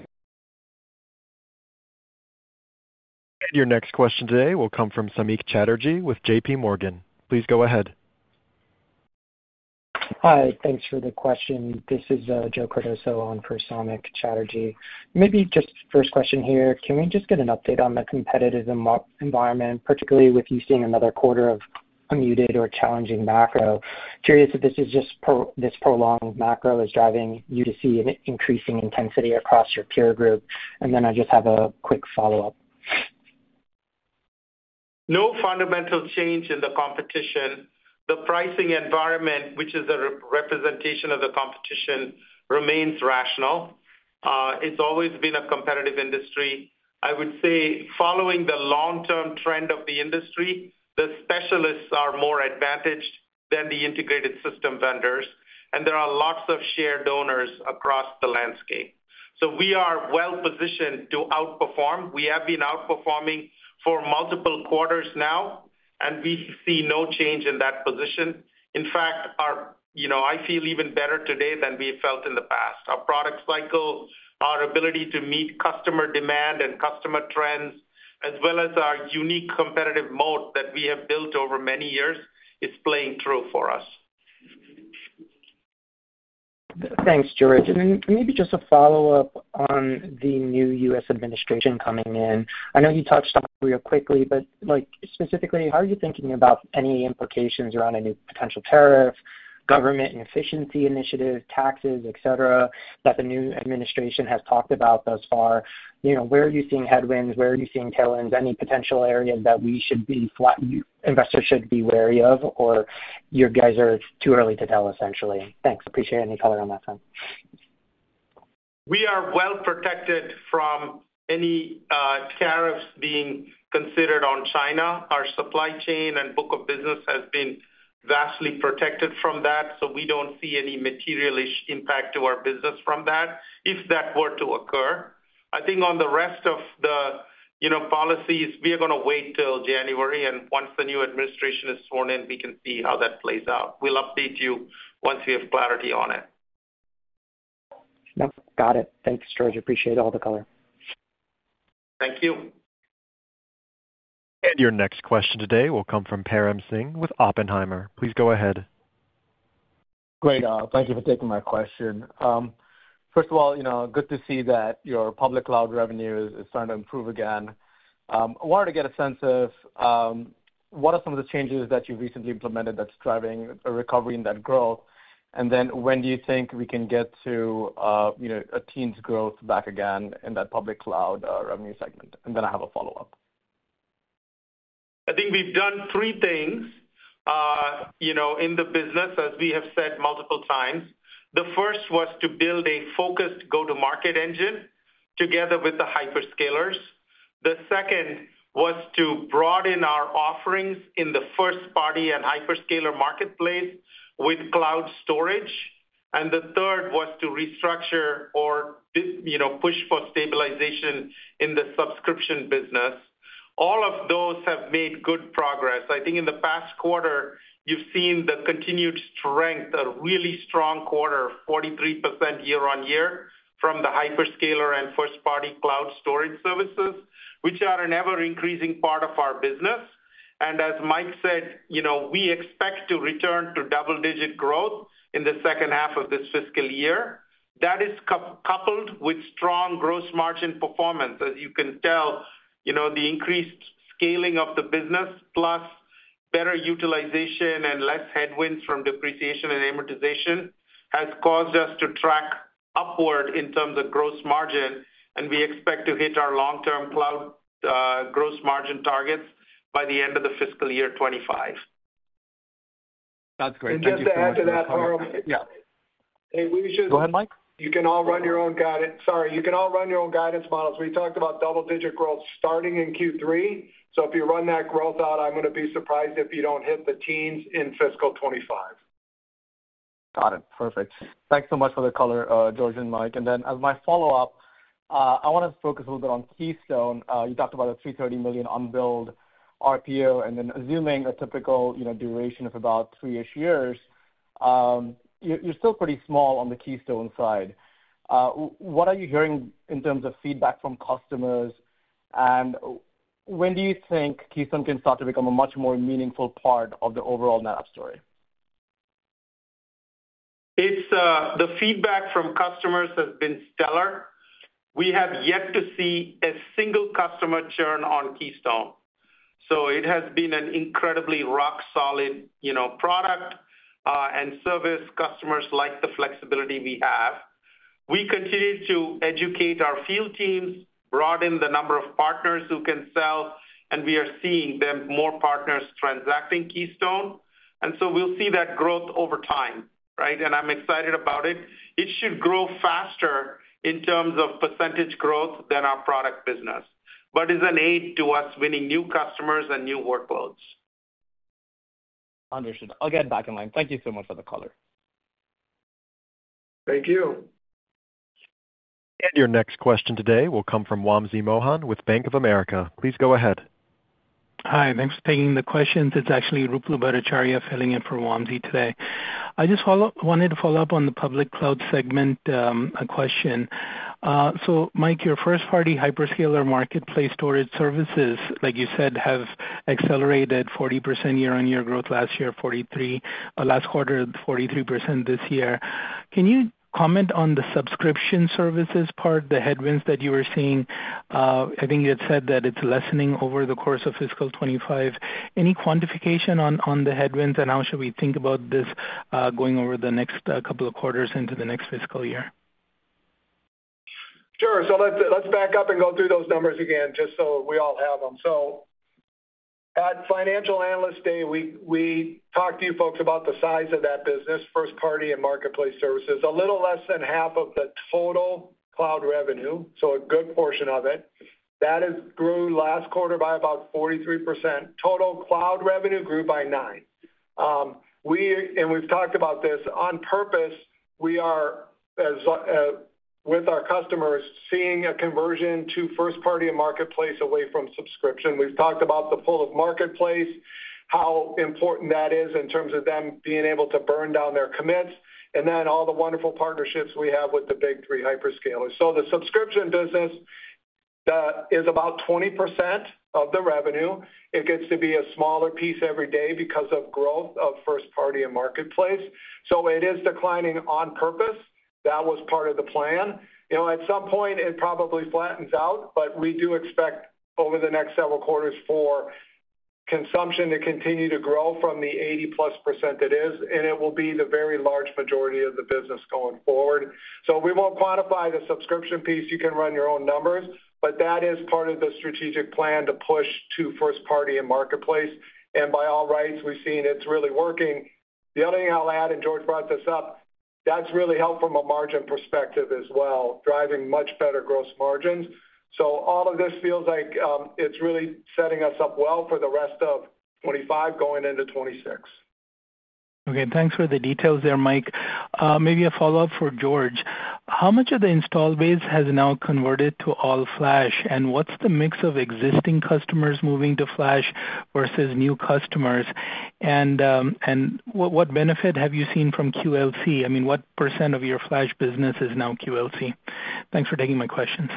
your next question today will come from Samik Chatterjee with JPMorgan. Please go ahead. Hi. Thanks for the question. This is Joe Cardoso on for Samik Chatterjee. Maybe just first question here. Can we just get an update on the competitive environment, particularly with you seeing another quarter of unmuted or challenging macro? Curious if this prolonged macro is driving you to see an increasing intensity across your peer group. And then I just have a quick follow-up. No fundamental change in the competition. The pricing environment, which is a representation of the competition, remains rational. It's always been a competitive industry. I would say, following the long-term trend of the industry, the specialists are more advantaged than the integrated system vendors, and there are lots of shared dollars across the landscape, so we are well-positioned to outperform. We have been outperforming for multiple quarters now, and we see no change in that position. In fact, I feel even better today than we felt in the past. Our product cycle, our ability to meet customer demand and customer trends, as well as our unique competitive moat that we have built over many years, is playing through for us. Thanks, George, and then maybe just a follow-up on the new U.S. administration coming in. I know you touched on it real quickly, but specifically, how are you thinking about any implications around a new potential tariff, government and efficiency initiatives, taxes, etc., that the new administration has talked about thus far? Where are you seeing headwinds? Where are you seeing tailwinds? Any potential areas that investors should be wary of, or you guys are too early to tell, essentially? Thanks. Appreciate any color on that side. We are well-protected from any tariffs being considered on China. Our supply chain and book of business has been vastly protected from that, so we don't see any material impact to our business from that if that were to occur. I think on the rest of the policies, we are going to wait till January, and once the new administration is sworn in, we can see how that plays out. We'll update you once we have clarity on it. Got it. Thanks, George. Appreciate all the color. Thank you. Your next question today will come from Param Singh with Oppenheimer. Please go ahead. Great. Thank you for taking my question. First of all, good to see that your public cloud revenue is starting to improve again. I wanted to get a sense of what are some of the changes that you've recently implemented that's driving a recovery in that growth? And then when do you think we can get to a teens growth back again in that public cloud revenue segment? And then I have a follow-up. I think we've done three things in the business, as we have said multiple times. The first was to build a focused go-to-market engine together with the hyperscalers. The second was to broaden our offerings in the first-party and hyperscaler marketplace with cloud storage. And the third was to restructure or push for stabilization in the subscription business. All of those have made good progress. I think in the past quarter, you've seen the continued strength, a really strong quarter, 43% year on year from the hyperscaler and first-party cloud storage services, which are an ever-increasing part of our business. And as Mike said, we expect to return to double-digit growth in the second half of this fiscal year. That is coupled with strong gross margin performance. As you can tell, the increased scaling of the business, plus better utilization and less headwinds from depreciation and amortization, has caused us to track upward in terms of gross margin. And we expect to hit our long-term cloud gross margin targets by the end of the fiscal year 2025. That's great. And just to add to that part of yeah. Hey, we should. Go ahead, Mike. You can all run your own guidance. Sorry. You can all run your own guidance models. We talked about double-digit growth starting in Q3. So if you run that growth out, I'm going to be surprised if you don't hit the teens in fiscal 2025. Got it. Perfect. Thanks so much for the color, George and Mike, and then as my follow-up, I want to focus a little bit on Keystone. You talked about a $330 million unbilled RPO, and then assuming a typical duration of about three-ish years, you're still pretty small on the Keystone side. What are you hearing in terms of feedback from customers, and when do you think Keystone can start to become a much more meaningful part of the overall NetApp story? The feedback from customers has been stellar. We have yet to see a single customer churn on Keystone. So it has been an incredibly rock-solid product and service. Customers like the flexibility we have. We continue to educate our field teams, broaden the number of partners who can sell, and we are seeing more partners transacting Keystone. And so we'll see that growth over time, right? And I'm excited about it. It should grow faster in terms of percentage growth than our product business, but is an aid to us winning new customers and new workloads. Understood. I'll get back in line. Thank you so much for the color. Thank you. And your next question today will come from Wamsi Mohan with Bank of America. Please go ahead. Hi. Thanks for taking the question. This is actually Ruplu Bhattacharya filling in for Wamsi today. I just wanted to follow up on the public cloud segment question. So Mike, your first-party hyperscaler marketplace storage services, like you said, have accelerated 40% year-on-year growth last year, 43% last quarter, 43% this year. Can you comment on the subscription services part, the headwinds that you were seeing? I think you had said that it's lessening over the course of fiscal 2025. Any quantification on the headwinds? And how should we think about this going over the next couple of quarters into the next fiscal year? Sure. So let's back up and go through those numbers again just so we all have them. So at Financial Analyst Day, we talked to you folks about the size of that business, first-party and marketplace services. A little less than half of the total cloud revenue, so a good portion of it, that grew last quarter by about 43%. Total cloud revenue grew by 9%. And we've talked about this on purpose. We are, with our customers, seeing a conversion to first-party and marketplace away from subscription. We've talked about the pull of marketplace, how important that is in terms of them being able to burn down their commits, and then all the wonderful partnerships we have with the big three hyperscalers. So the subscription business is about 20% of the revenue. It gets to be a smaller piece every day because of growth of first-party and marketplace. So it is declining on purpose. That was part of the plan. At some point, it probably flattens out, but we do expect over the next several quarters for consumption to continue to grow from the 80+% it is. And it will be the very large majority of the business going forward. So we won't quantify the subscription piece. You can run your own numbers, but that is part of the strategic plan to push to first-party and marketplace. And by all rights, we've seen it's really working. The other thing I'll add, and George brought this up, that's really helped from a margin perspective as well, driving much better gross margins. So all of this feels like it's really setting us up well for the rest of 2025 going into 2026. Okay. Thanks for the details there, Mike. Maybe a follow-up for George. How much of the install base has now converted to all flash? And what's the mix of existing customers moving to flash versus new customers? And what benefit have you seen from QLC? I mean, what percent of your flash business is now QLC? Thanks for taking my questions.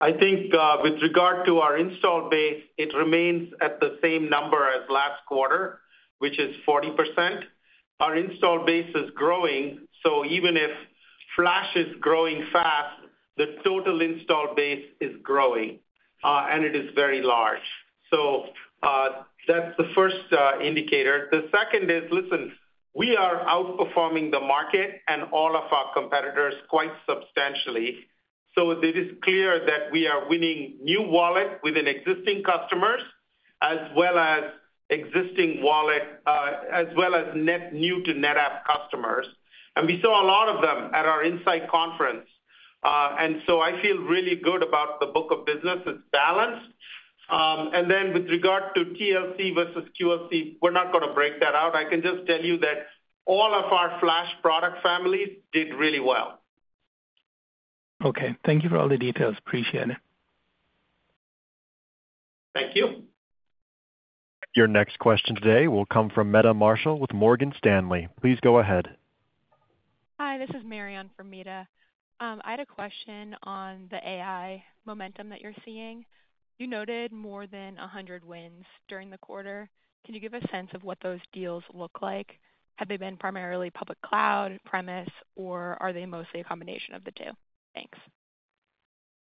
I think with regard to our install base, it remains at the same number as last quarter, which is 40%. Our install base is growing. So even if flash is growing fast, the total install base is growing, and it is very large. So that's the first indicator. The second is, listen, we are outperforming the market and all of our competitors quite substantially. So it is clear that we are winning new wallet within existing customers as well as existing wallet as well as new to NetApp customers. And we saw a lot of them at our Insight conference. And so I feel really good about the book of business. It's balanced. And then with regard to TLC versus QLC, we're not going to break that out. I can just tell you that all of our flash product families did really well. Okay. Thank you for all the details. Appreciate it. Thank you. Your next question today will come from Meta Marshall with Morgan Stanley. Please go ahead. Hi. This is Mary on for Meta. I had a question on the AI momentum that you're seeing. You noted more than 100 wins during the quarter. Can you give a sense of what those deals look like? Have they been primarily public cloud, premises, or are they mostly a combination of the two? Thanks.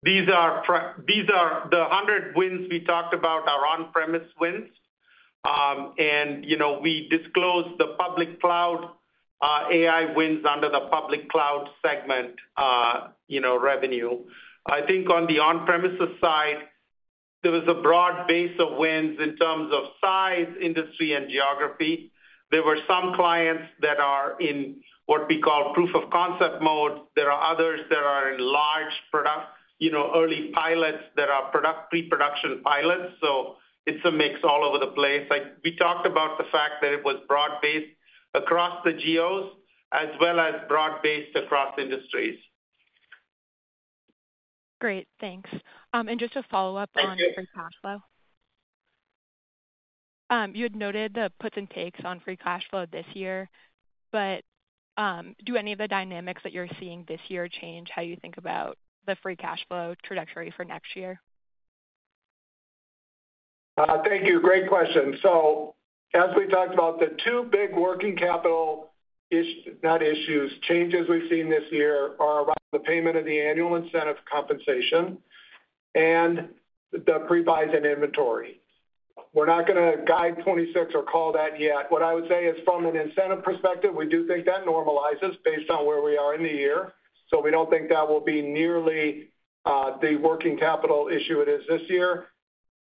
These are the 100 wins we talked about are on-premises wins. And we disclosed the public cloud AI wins under the public cloud segment revenue. I think on the on-premises side, there was a broad base of wins in terms of size, industry, and geography. There were some clients that are in what we call proof of concept mode. There are others that are in large early pilots that are pre-production pilots. So it's a mix all over the place. We talked about the fact that it was broad-based across the geos as well as broad-based across industries. Great. Thanks. Just to follow up on free cash flow, you had noted the puts and takes on free cash flow this year. But do any of the dynamics that you're seeing this year change how you think about the free cash flow trajectory for next year? Thank you. Great question. So as we talked about, the two big working capital issues. Changes we've seen this year are around the payment of the annual incentive compensation and the pre-buys and inventory. We're not going to guide 2026 or call that yet. What I would say is from an incentive perspective, we do think that normalizes based on where we are in the year. So we don't think that will be nearly the working capital issue it is this year.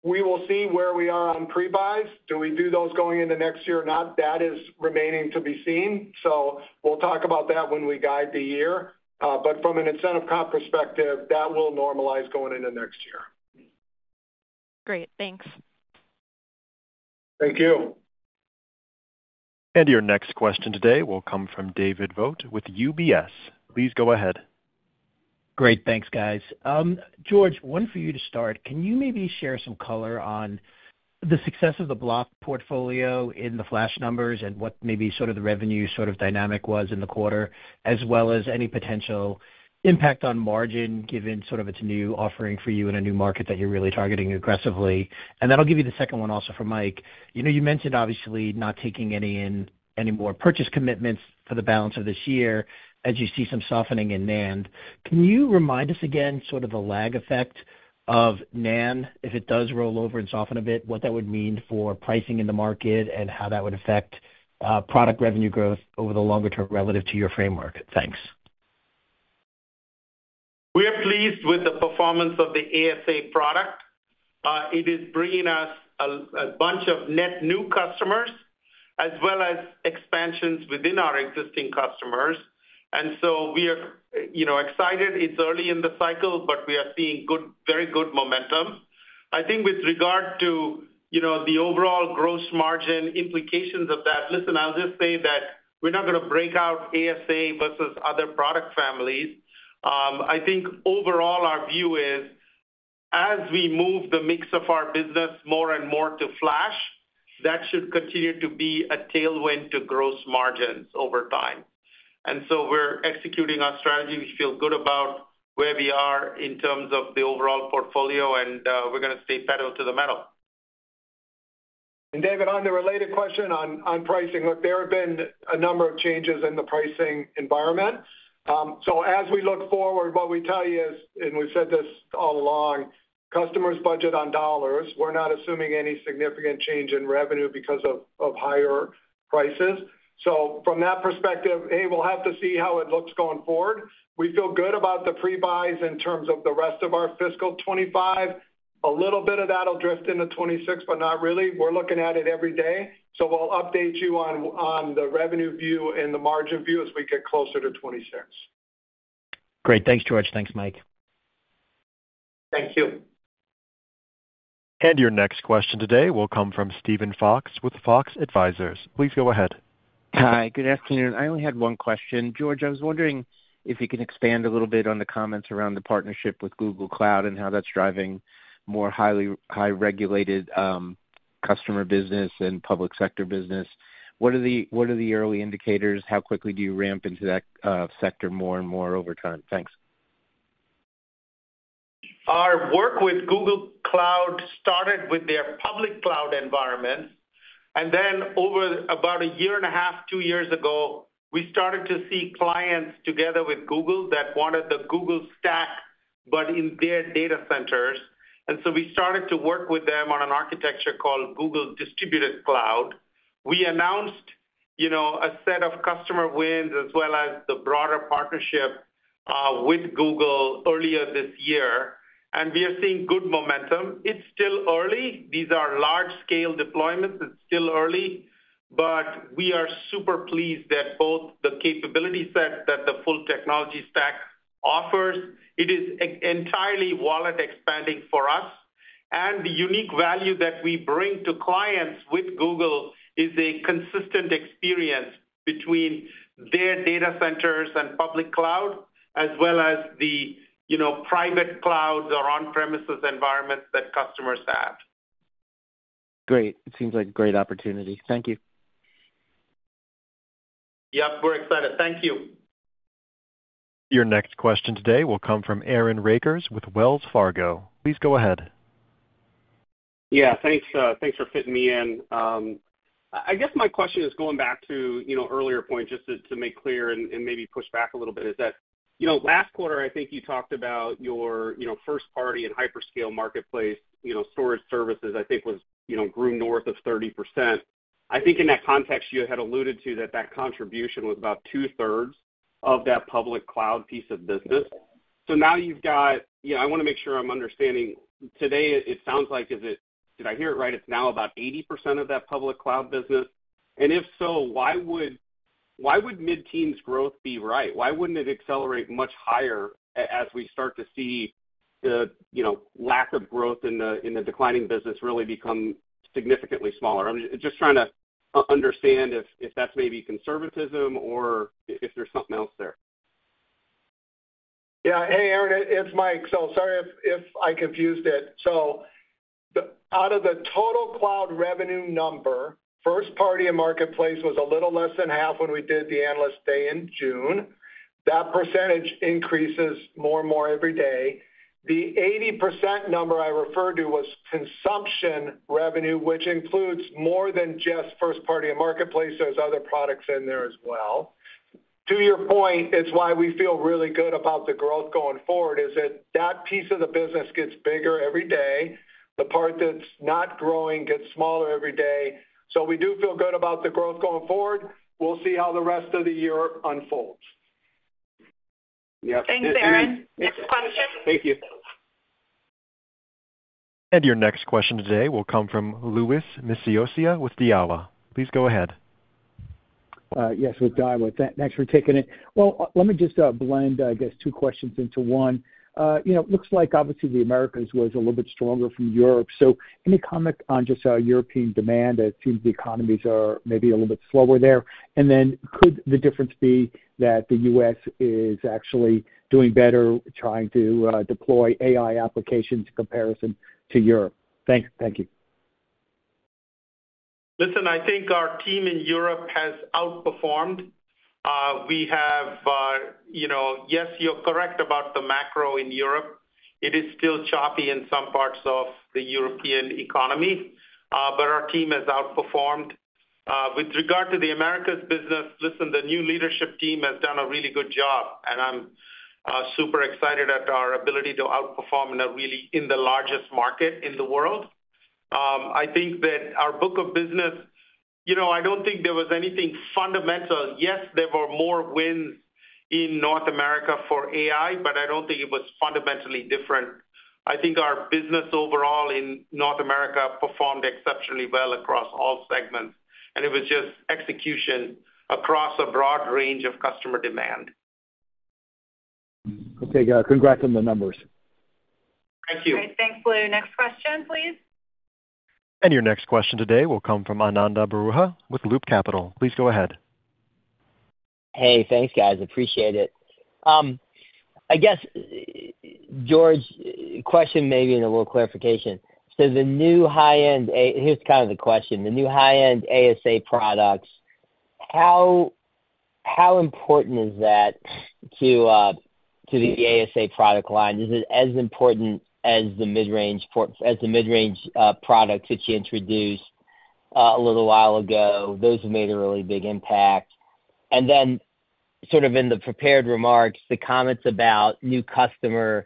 We will see where we are on pre-buys. Do we do those going into next year or not? That is remaining to be seen. So we'll talk about that when we guide the year. But from an incentive comp perspective, that will normalize going into next year. Great. Thanks. Thank you. And your next question today will come from David Vogt with UBS. Please go ahead. Great. Thanks, guys. George, one for you to start. Can you maybe share some color on the success of the block portfolio in the flash numbers and what maybe sort of the revenue sort of dynamic was in the quarter, as well as any potential impact on margin given sort of its new offering for you in a new market that you're really targeting aggressively? And then I'll give you the second one also for Mike. You mentioned, obviously, not taking any more purchase commitments for the balance of this year as you see some softening in NAND. Can you remind us again sort of the lag effect of NAND if it does roll over and soften a bit, what that would mean for pricing in the market and how that would affect product revenue growth over the longer term relative to your framework? Thanks. We are pleased with the performance of the ASA product. It is bringing us a bunch of net new customers as well as expansions within our existing customers. And so we are excited. It's early in the cycle, but we are seeing very good momentum. I think with regard to the overall gross margin implications of that, listen, I'll just say that we're not going to break out ASA versus other product families. I think overall our view is, as we move the mix of our business more and more to flash, that should continue to be a tailwind to gross margins over time. And so we're executing our strategy. We feel good about where we are in terms of the overall portfolio, and we're going to stay pedal to the metal. And David, on the related question on pricing, look, there have been a number of changes in the pricing environment. So as we look forward, what we tell you is, and we've said this all along, customers budget on dollars. We're not assuming any significant change in revenue because of higher prices. So from that perspective, hey, we'll have to see how it looks going forward. We feel good about the pre-buys in terms of the rest of our fiscal 2025. A little bit of that will drift into 2026, but not really. We're looking at it every day. So we'll update you on the revenue view and the margin view as we get closer to 2026. Great. Thanks, George. Thanks, Mike. Thank you. And your next question today will come from Steven Fox with Fox Advisors. Please go ahead. Hi. Good afternoon. I only had one question. George, I was wondering if you can expand a little bit on the comments around the partnership with Google Cloud and how that's driving more highly regulated customer business and public sector business. What are the early indicators? How quickly do you ramp into that sector more and more over time? Thanks. Our work with Google Cloud started with their public cloud environment. And then over about a year and a half, two years ago, we started to see clients together with Google that wanted the Google stack, but in their data centers. And so we started to work with them on an architecture called Google Distributed Cloud. We announced a set of customer wins as well as the broader partnership with Google earlier this year. And we are seeing good momentum. It's still early. These are large-scale deployments. It's still early. But we are super pleased that both the capability set that the full technology stack offers, it is entirely wallet-expanding for us. And the unique value that we bring to clients with Google is a consistent experience between their data centers and public cloud as well as the private clouds or on-premises environments that customers have. Great. It seems like a great opportunity. Thank you. Yep. We're excited. Thank you. Your next question today will come from Aaron Rakers with Wells Fargo. Please go ahead. Yeah. Thanks for fitting me in. I guess my question is going back to earlier points just to make clear and maybe push back a little bit is that last quarter, I think you talked about your first-party and hyperscale marketplace storage services, I think, grew north of 30%. I think in that context, you had alluded to that that contribution was about two-thirds of that public cloud piece of business. So now you've got I want to make sure I'm understanding. Today, it sounds like is it did I hear it right? It's now about 80% of that public cloud business. And if so, why would mid-teens growth be right? Why wouldn't it accelerate much higher as we start to see the lack of growth in the declining business really become significantly smaller? I'm just trying to understand if that's maybe conservatism or if there's something else there. Yeah. Hey, Aaron. It's Mike. So sorry if I confused it. So out of the total cloud revenue number, first-party and marketplace was a little less than half when we did the analyst day in June. That percentage increases more and more every day. The 80% number I referred to was consumption revenue, which includes more than just first-party and marketplace. There's other products in there as well. To your point, it's why we feel really good about the growth going forward is that that piece of the business gets bigger every day. The part that's not growing gets smaller every day. So we do feel good about the growth going forward. We'll see how the rest of the year unfolds. Yep. Thanks, Aaron. Next question. Thank you. Your next question today will come from Louis Miscioscia with Daiwa. Please go ahead. Yes, with Daiwa. Thanks for taking it. Well, let me just blend, I guess, two questions into one. It looks like, obviously, the Americas was a little bit stronger from Europe. So any comment on just European demand? It seems the economies are maybe a little bit slower there. And then could the difference be that the U.S. is actually doing better trying to deploy AI applications in comparison to Europe? Thank you. Listen, I think our team in Europe has outperformed. We have. Yes, you're correct about the macro in Europe. It is still choppy in some parts of the European economy. But our team has outperformed. With regard to the Americas business, listen, the new leadership team has done a really good job. I'm super excited at our ability to outperform in the largest market in the world. I think that our book of business, I don't think there was anything fundamental. Yes, there were more wins in North America for AI, but I don't think it was fundamentally different. I think our business overall in North America performed exceptionally well across all segments. And it was just execution across a broad range of customer demand. Okay. Congrats on the numbers. Thank you. All right. Thanks, Lou. Next question, please. And your next question today will come from Ananda Baruah with Loop Capital. Please go ahead. Hey, thanks, guys. Appreciate it. I guess, George, question maybe in a little clarification. So the new high-end. Here's kind of the question. The new high-end ASA products, how important is that to the ASA product line? Is it as important as the mid-range products that you introduced a little while ago? Those have made a really big impact. And then sort of in the prepared remarks, the comments about new customer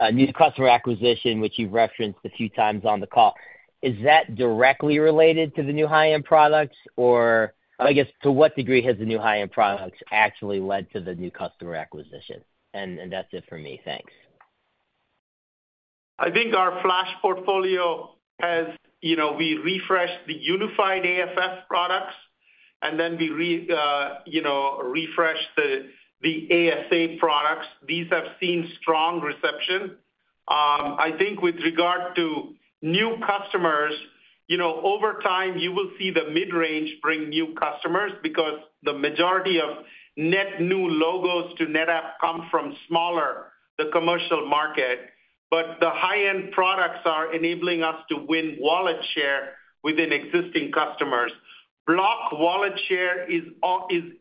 acquisition, which you've referenced a few times on the call, is that directly related to the new high-end products? Or I guess, to what degree has the new high-end products actually led to the new customer acquisition? And that's it for me. Thanks. I think our flash portfolio as we refreshed the unified AFF products, and then we refreshed the ASA products. These have seen strong reception. I think with regard to new customers, over time, you will see the mid-range bring new customers because the majority of net new logos to NetApp come from the smaller commercial market. But the high-end products are enabling us to win wallet share within existing customers. Block wallet share is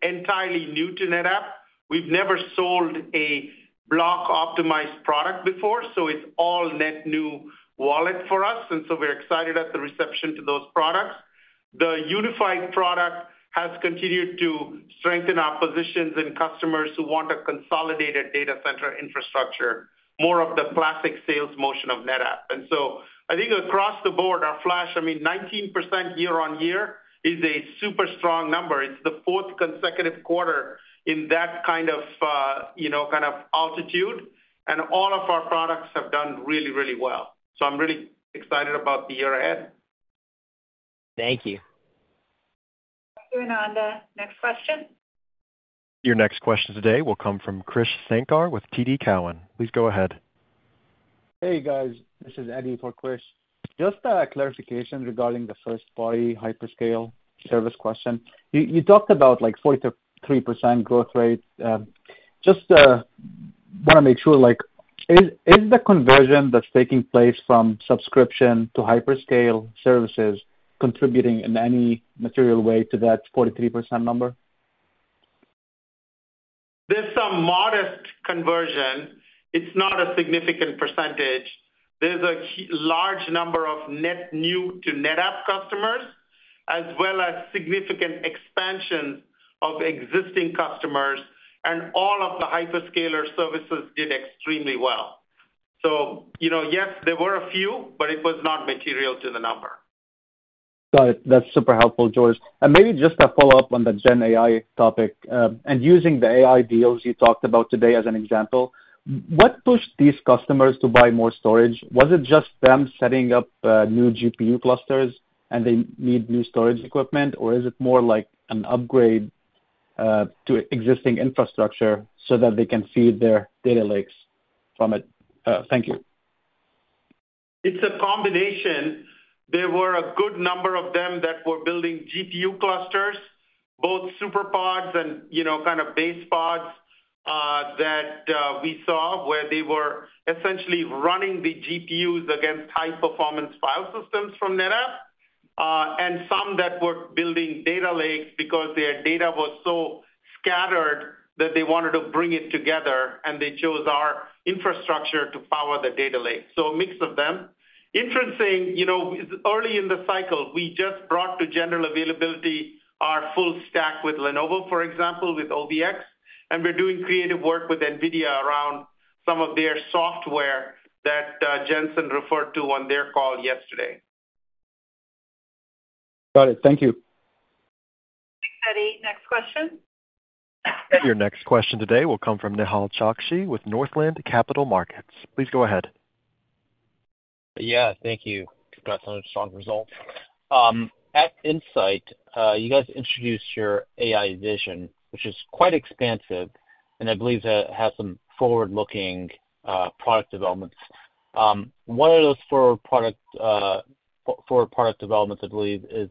entirely new to NetApp. We've never sold a block-optimized product before. So it's all net new wallet for us. And so we're excited at the reception to those products. The unified product has continued to strengthen our positions and customers who want a consolidated data center infrastructure, more of the classic sales motion of NetApp. And so I think across the board, our flash, I mean, 19% year on year is a super strong number. It's the fourth consecutive quarter in that kind of altitude. And all of our products have done really, really well. So I'm really excited about the year ahead. Thank you. Thank you, Ananda. Next question. Your next question today will come from Krish Sankar with TD Cowen. Please go ahead. Hey, guys. This is Eddie for Krish. Just a clarification regarding the first-party hyperscale service question. You talked about 43% growth rate. Just want to make sure, is the conversion that's taking place from subscription to hyperscale services contributing in any material way to that 43% number? There's some modest conversion. It's not a significant percentage. There's a large number of net new to NetApp customers as well as significant expansions of existing customers. And all of the hyperscaler services did extremely well. So yes, there were a few, but it was not material to the number. Got it. That's super helpful, George. And maybe just a follow-up on the GenAI topic. And using the AI deals you talked about today as an example, what pushed these customers to buy more storage? Was it just them setting up new GPU clusters and they need new storage equipment? Or is it more like an upgrade to existing infrastructure so that they can feed their data lakes from it? Thank you. It's a combination. There were a good number of them that were building GPU clusters, both SuperPODs and kind of BasePODs that we saw where they were essentially running the GPUs against high-performance file systems from NetApp and some that were building data lakes because their data was so scattered that they wanted to bring it together. And they chose our infrastructure to power the data lake. So a mix of them. Inferencing, early in the cycle, we just brought to general availability our full stack with Lenovo, for example, with OVX. And we're doing creative work with NVIDIA around some of their software that Jensen referred to on their call yesterday. Got it. Thank you. Thanks, Eddie. Next question. Your next question today will come from Nehal Chokshi with Northland Capital Markets. Please go ahead. Yeah. Thank you. Got some strong results. At Insight, you guys introduced your AI vision, which is quite expansive. And I believe that has some forward-looking product developments. One of those forward product developments, I believe, is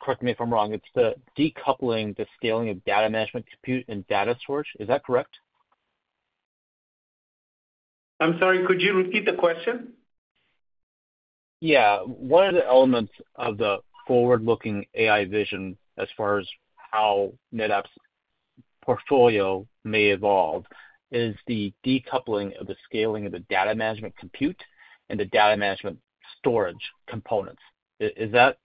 correct me if I'm wrong. It's the decoupling, the scaling of data management compute and data source. Is that correct? I'm sorry. Could you repeat the question? Yeah. One of the elements of the forward-looking AI vision as far as how NetApp's portfolio may evolve is the decoupling of the scaling of the data management compute and the data management storage components. Is that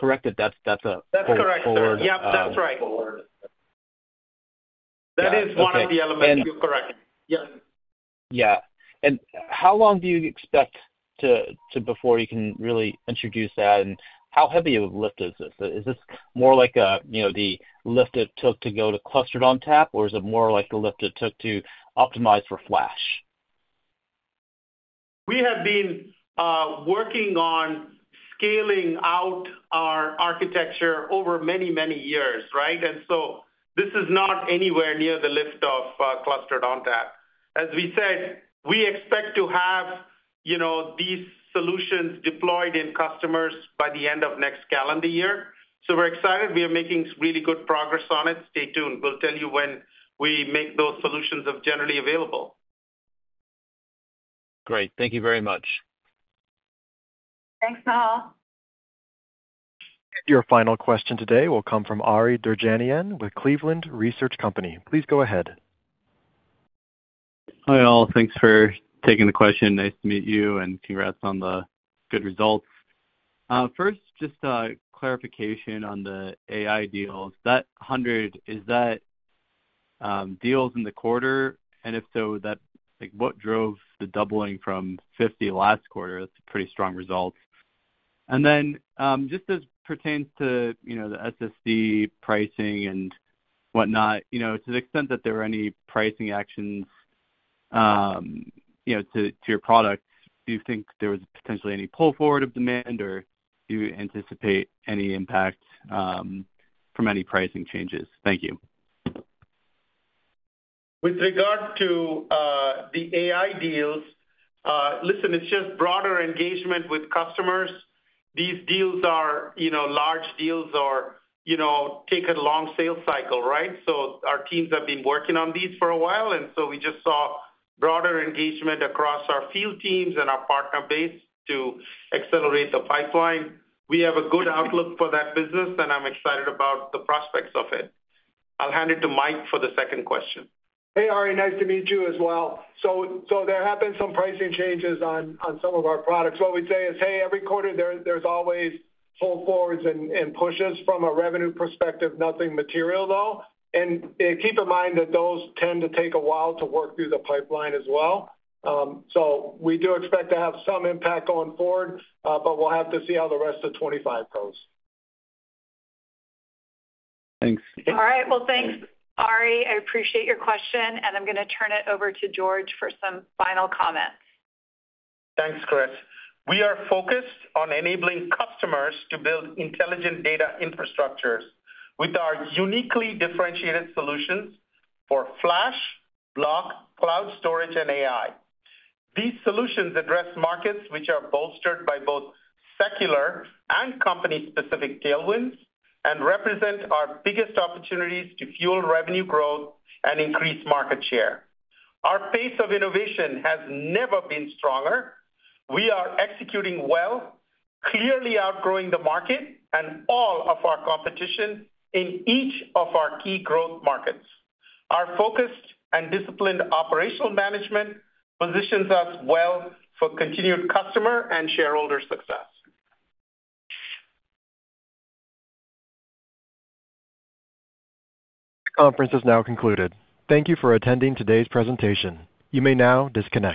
correct? That's a forward-looking? That's correct. Yep. That's right. That is one of the elements. You're correct. Yep. Yeah. And how long do you expect before you can really introduce that? And how heavy of a lift is this? Is this more like the lift it took to go to Clustered ONTAP? Or is it more like the lift it took to optimize for flash? We have been working on scaling out our architecture over many, many years, right? And so this is not anywhere near the lift of Clustered ONTAP. As we said, we expect to have these solutions deployed in customers by the end of next calendar year. So we're excited. We are making really good progress on it. Stay tuned. We'll tell you when we make those solutions generally available. Great. Thank you very much. Thanks, Nehal. Your final question today will come from Ari Terjanian with Cleveland Research Company. Please go ahead. Hi, all. Thanks for taking the question. Nice to meet you. And congrats on the good results. First, just a clarification on the AI deals. Is that 100, is that deals in the quarter? And if so, what drove the doubling from 50 last quarter? That's a pretty strong result. And then just as pertains to the SSD pricing and whatnot, to the extent that there are any pricing actions to your products, do you think there was potentially any pull forward of demand? Or do you anticipate any impact from any pricing changes? Thank you. With regard to the AI deals, listen, it's just broader engagement with customers. These deals are large deals or take a long sales cycle, right? So our teams have been working on these for a while. And so we just saw broader engagement across our field teams and our partner base to accelerate the pipeline. We have a good outlook for that business. And I'm excited about the prospects of it. I'll hand it to Mike for the second question. Hey, Ari. Nice to meet you as well. So there have been some pricing changes on some of our products. What we'd say is, hey, every quarter, there's always pull forwards and pushes from a revenue perspective, nothing material, though. And keep in mind that those tend to take a while to work through the pipeline as well. So we do expect to have some impact going forward. But we'll have to see how the rest of 2025 goes. Thanks. All right. Well, thanks, Ari. I appreciate your question. And I'm going to turn it over to George for some final comments. Thanks, Kris. We are focused on enabling customers to build intelligent data infrastructures with our uniquely differentiated solutions for flash, block, cloud storage, and AI. These solutions address markets which are bolstered by both secular and company-specific tailwinds and represent our biggest opportunities to fuel revenue growth and increase market share. Our pace of innovation has never been stronger. We are executing well, clearly outgrowing the market and all of our competition in each of our key growth markets. Our focused and disciplined operational management positions us well for continued customer and shareholder success. This conference is now concluded. Thank you for attending today's presentation. You may now disconnect.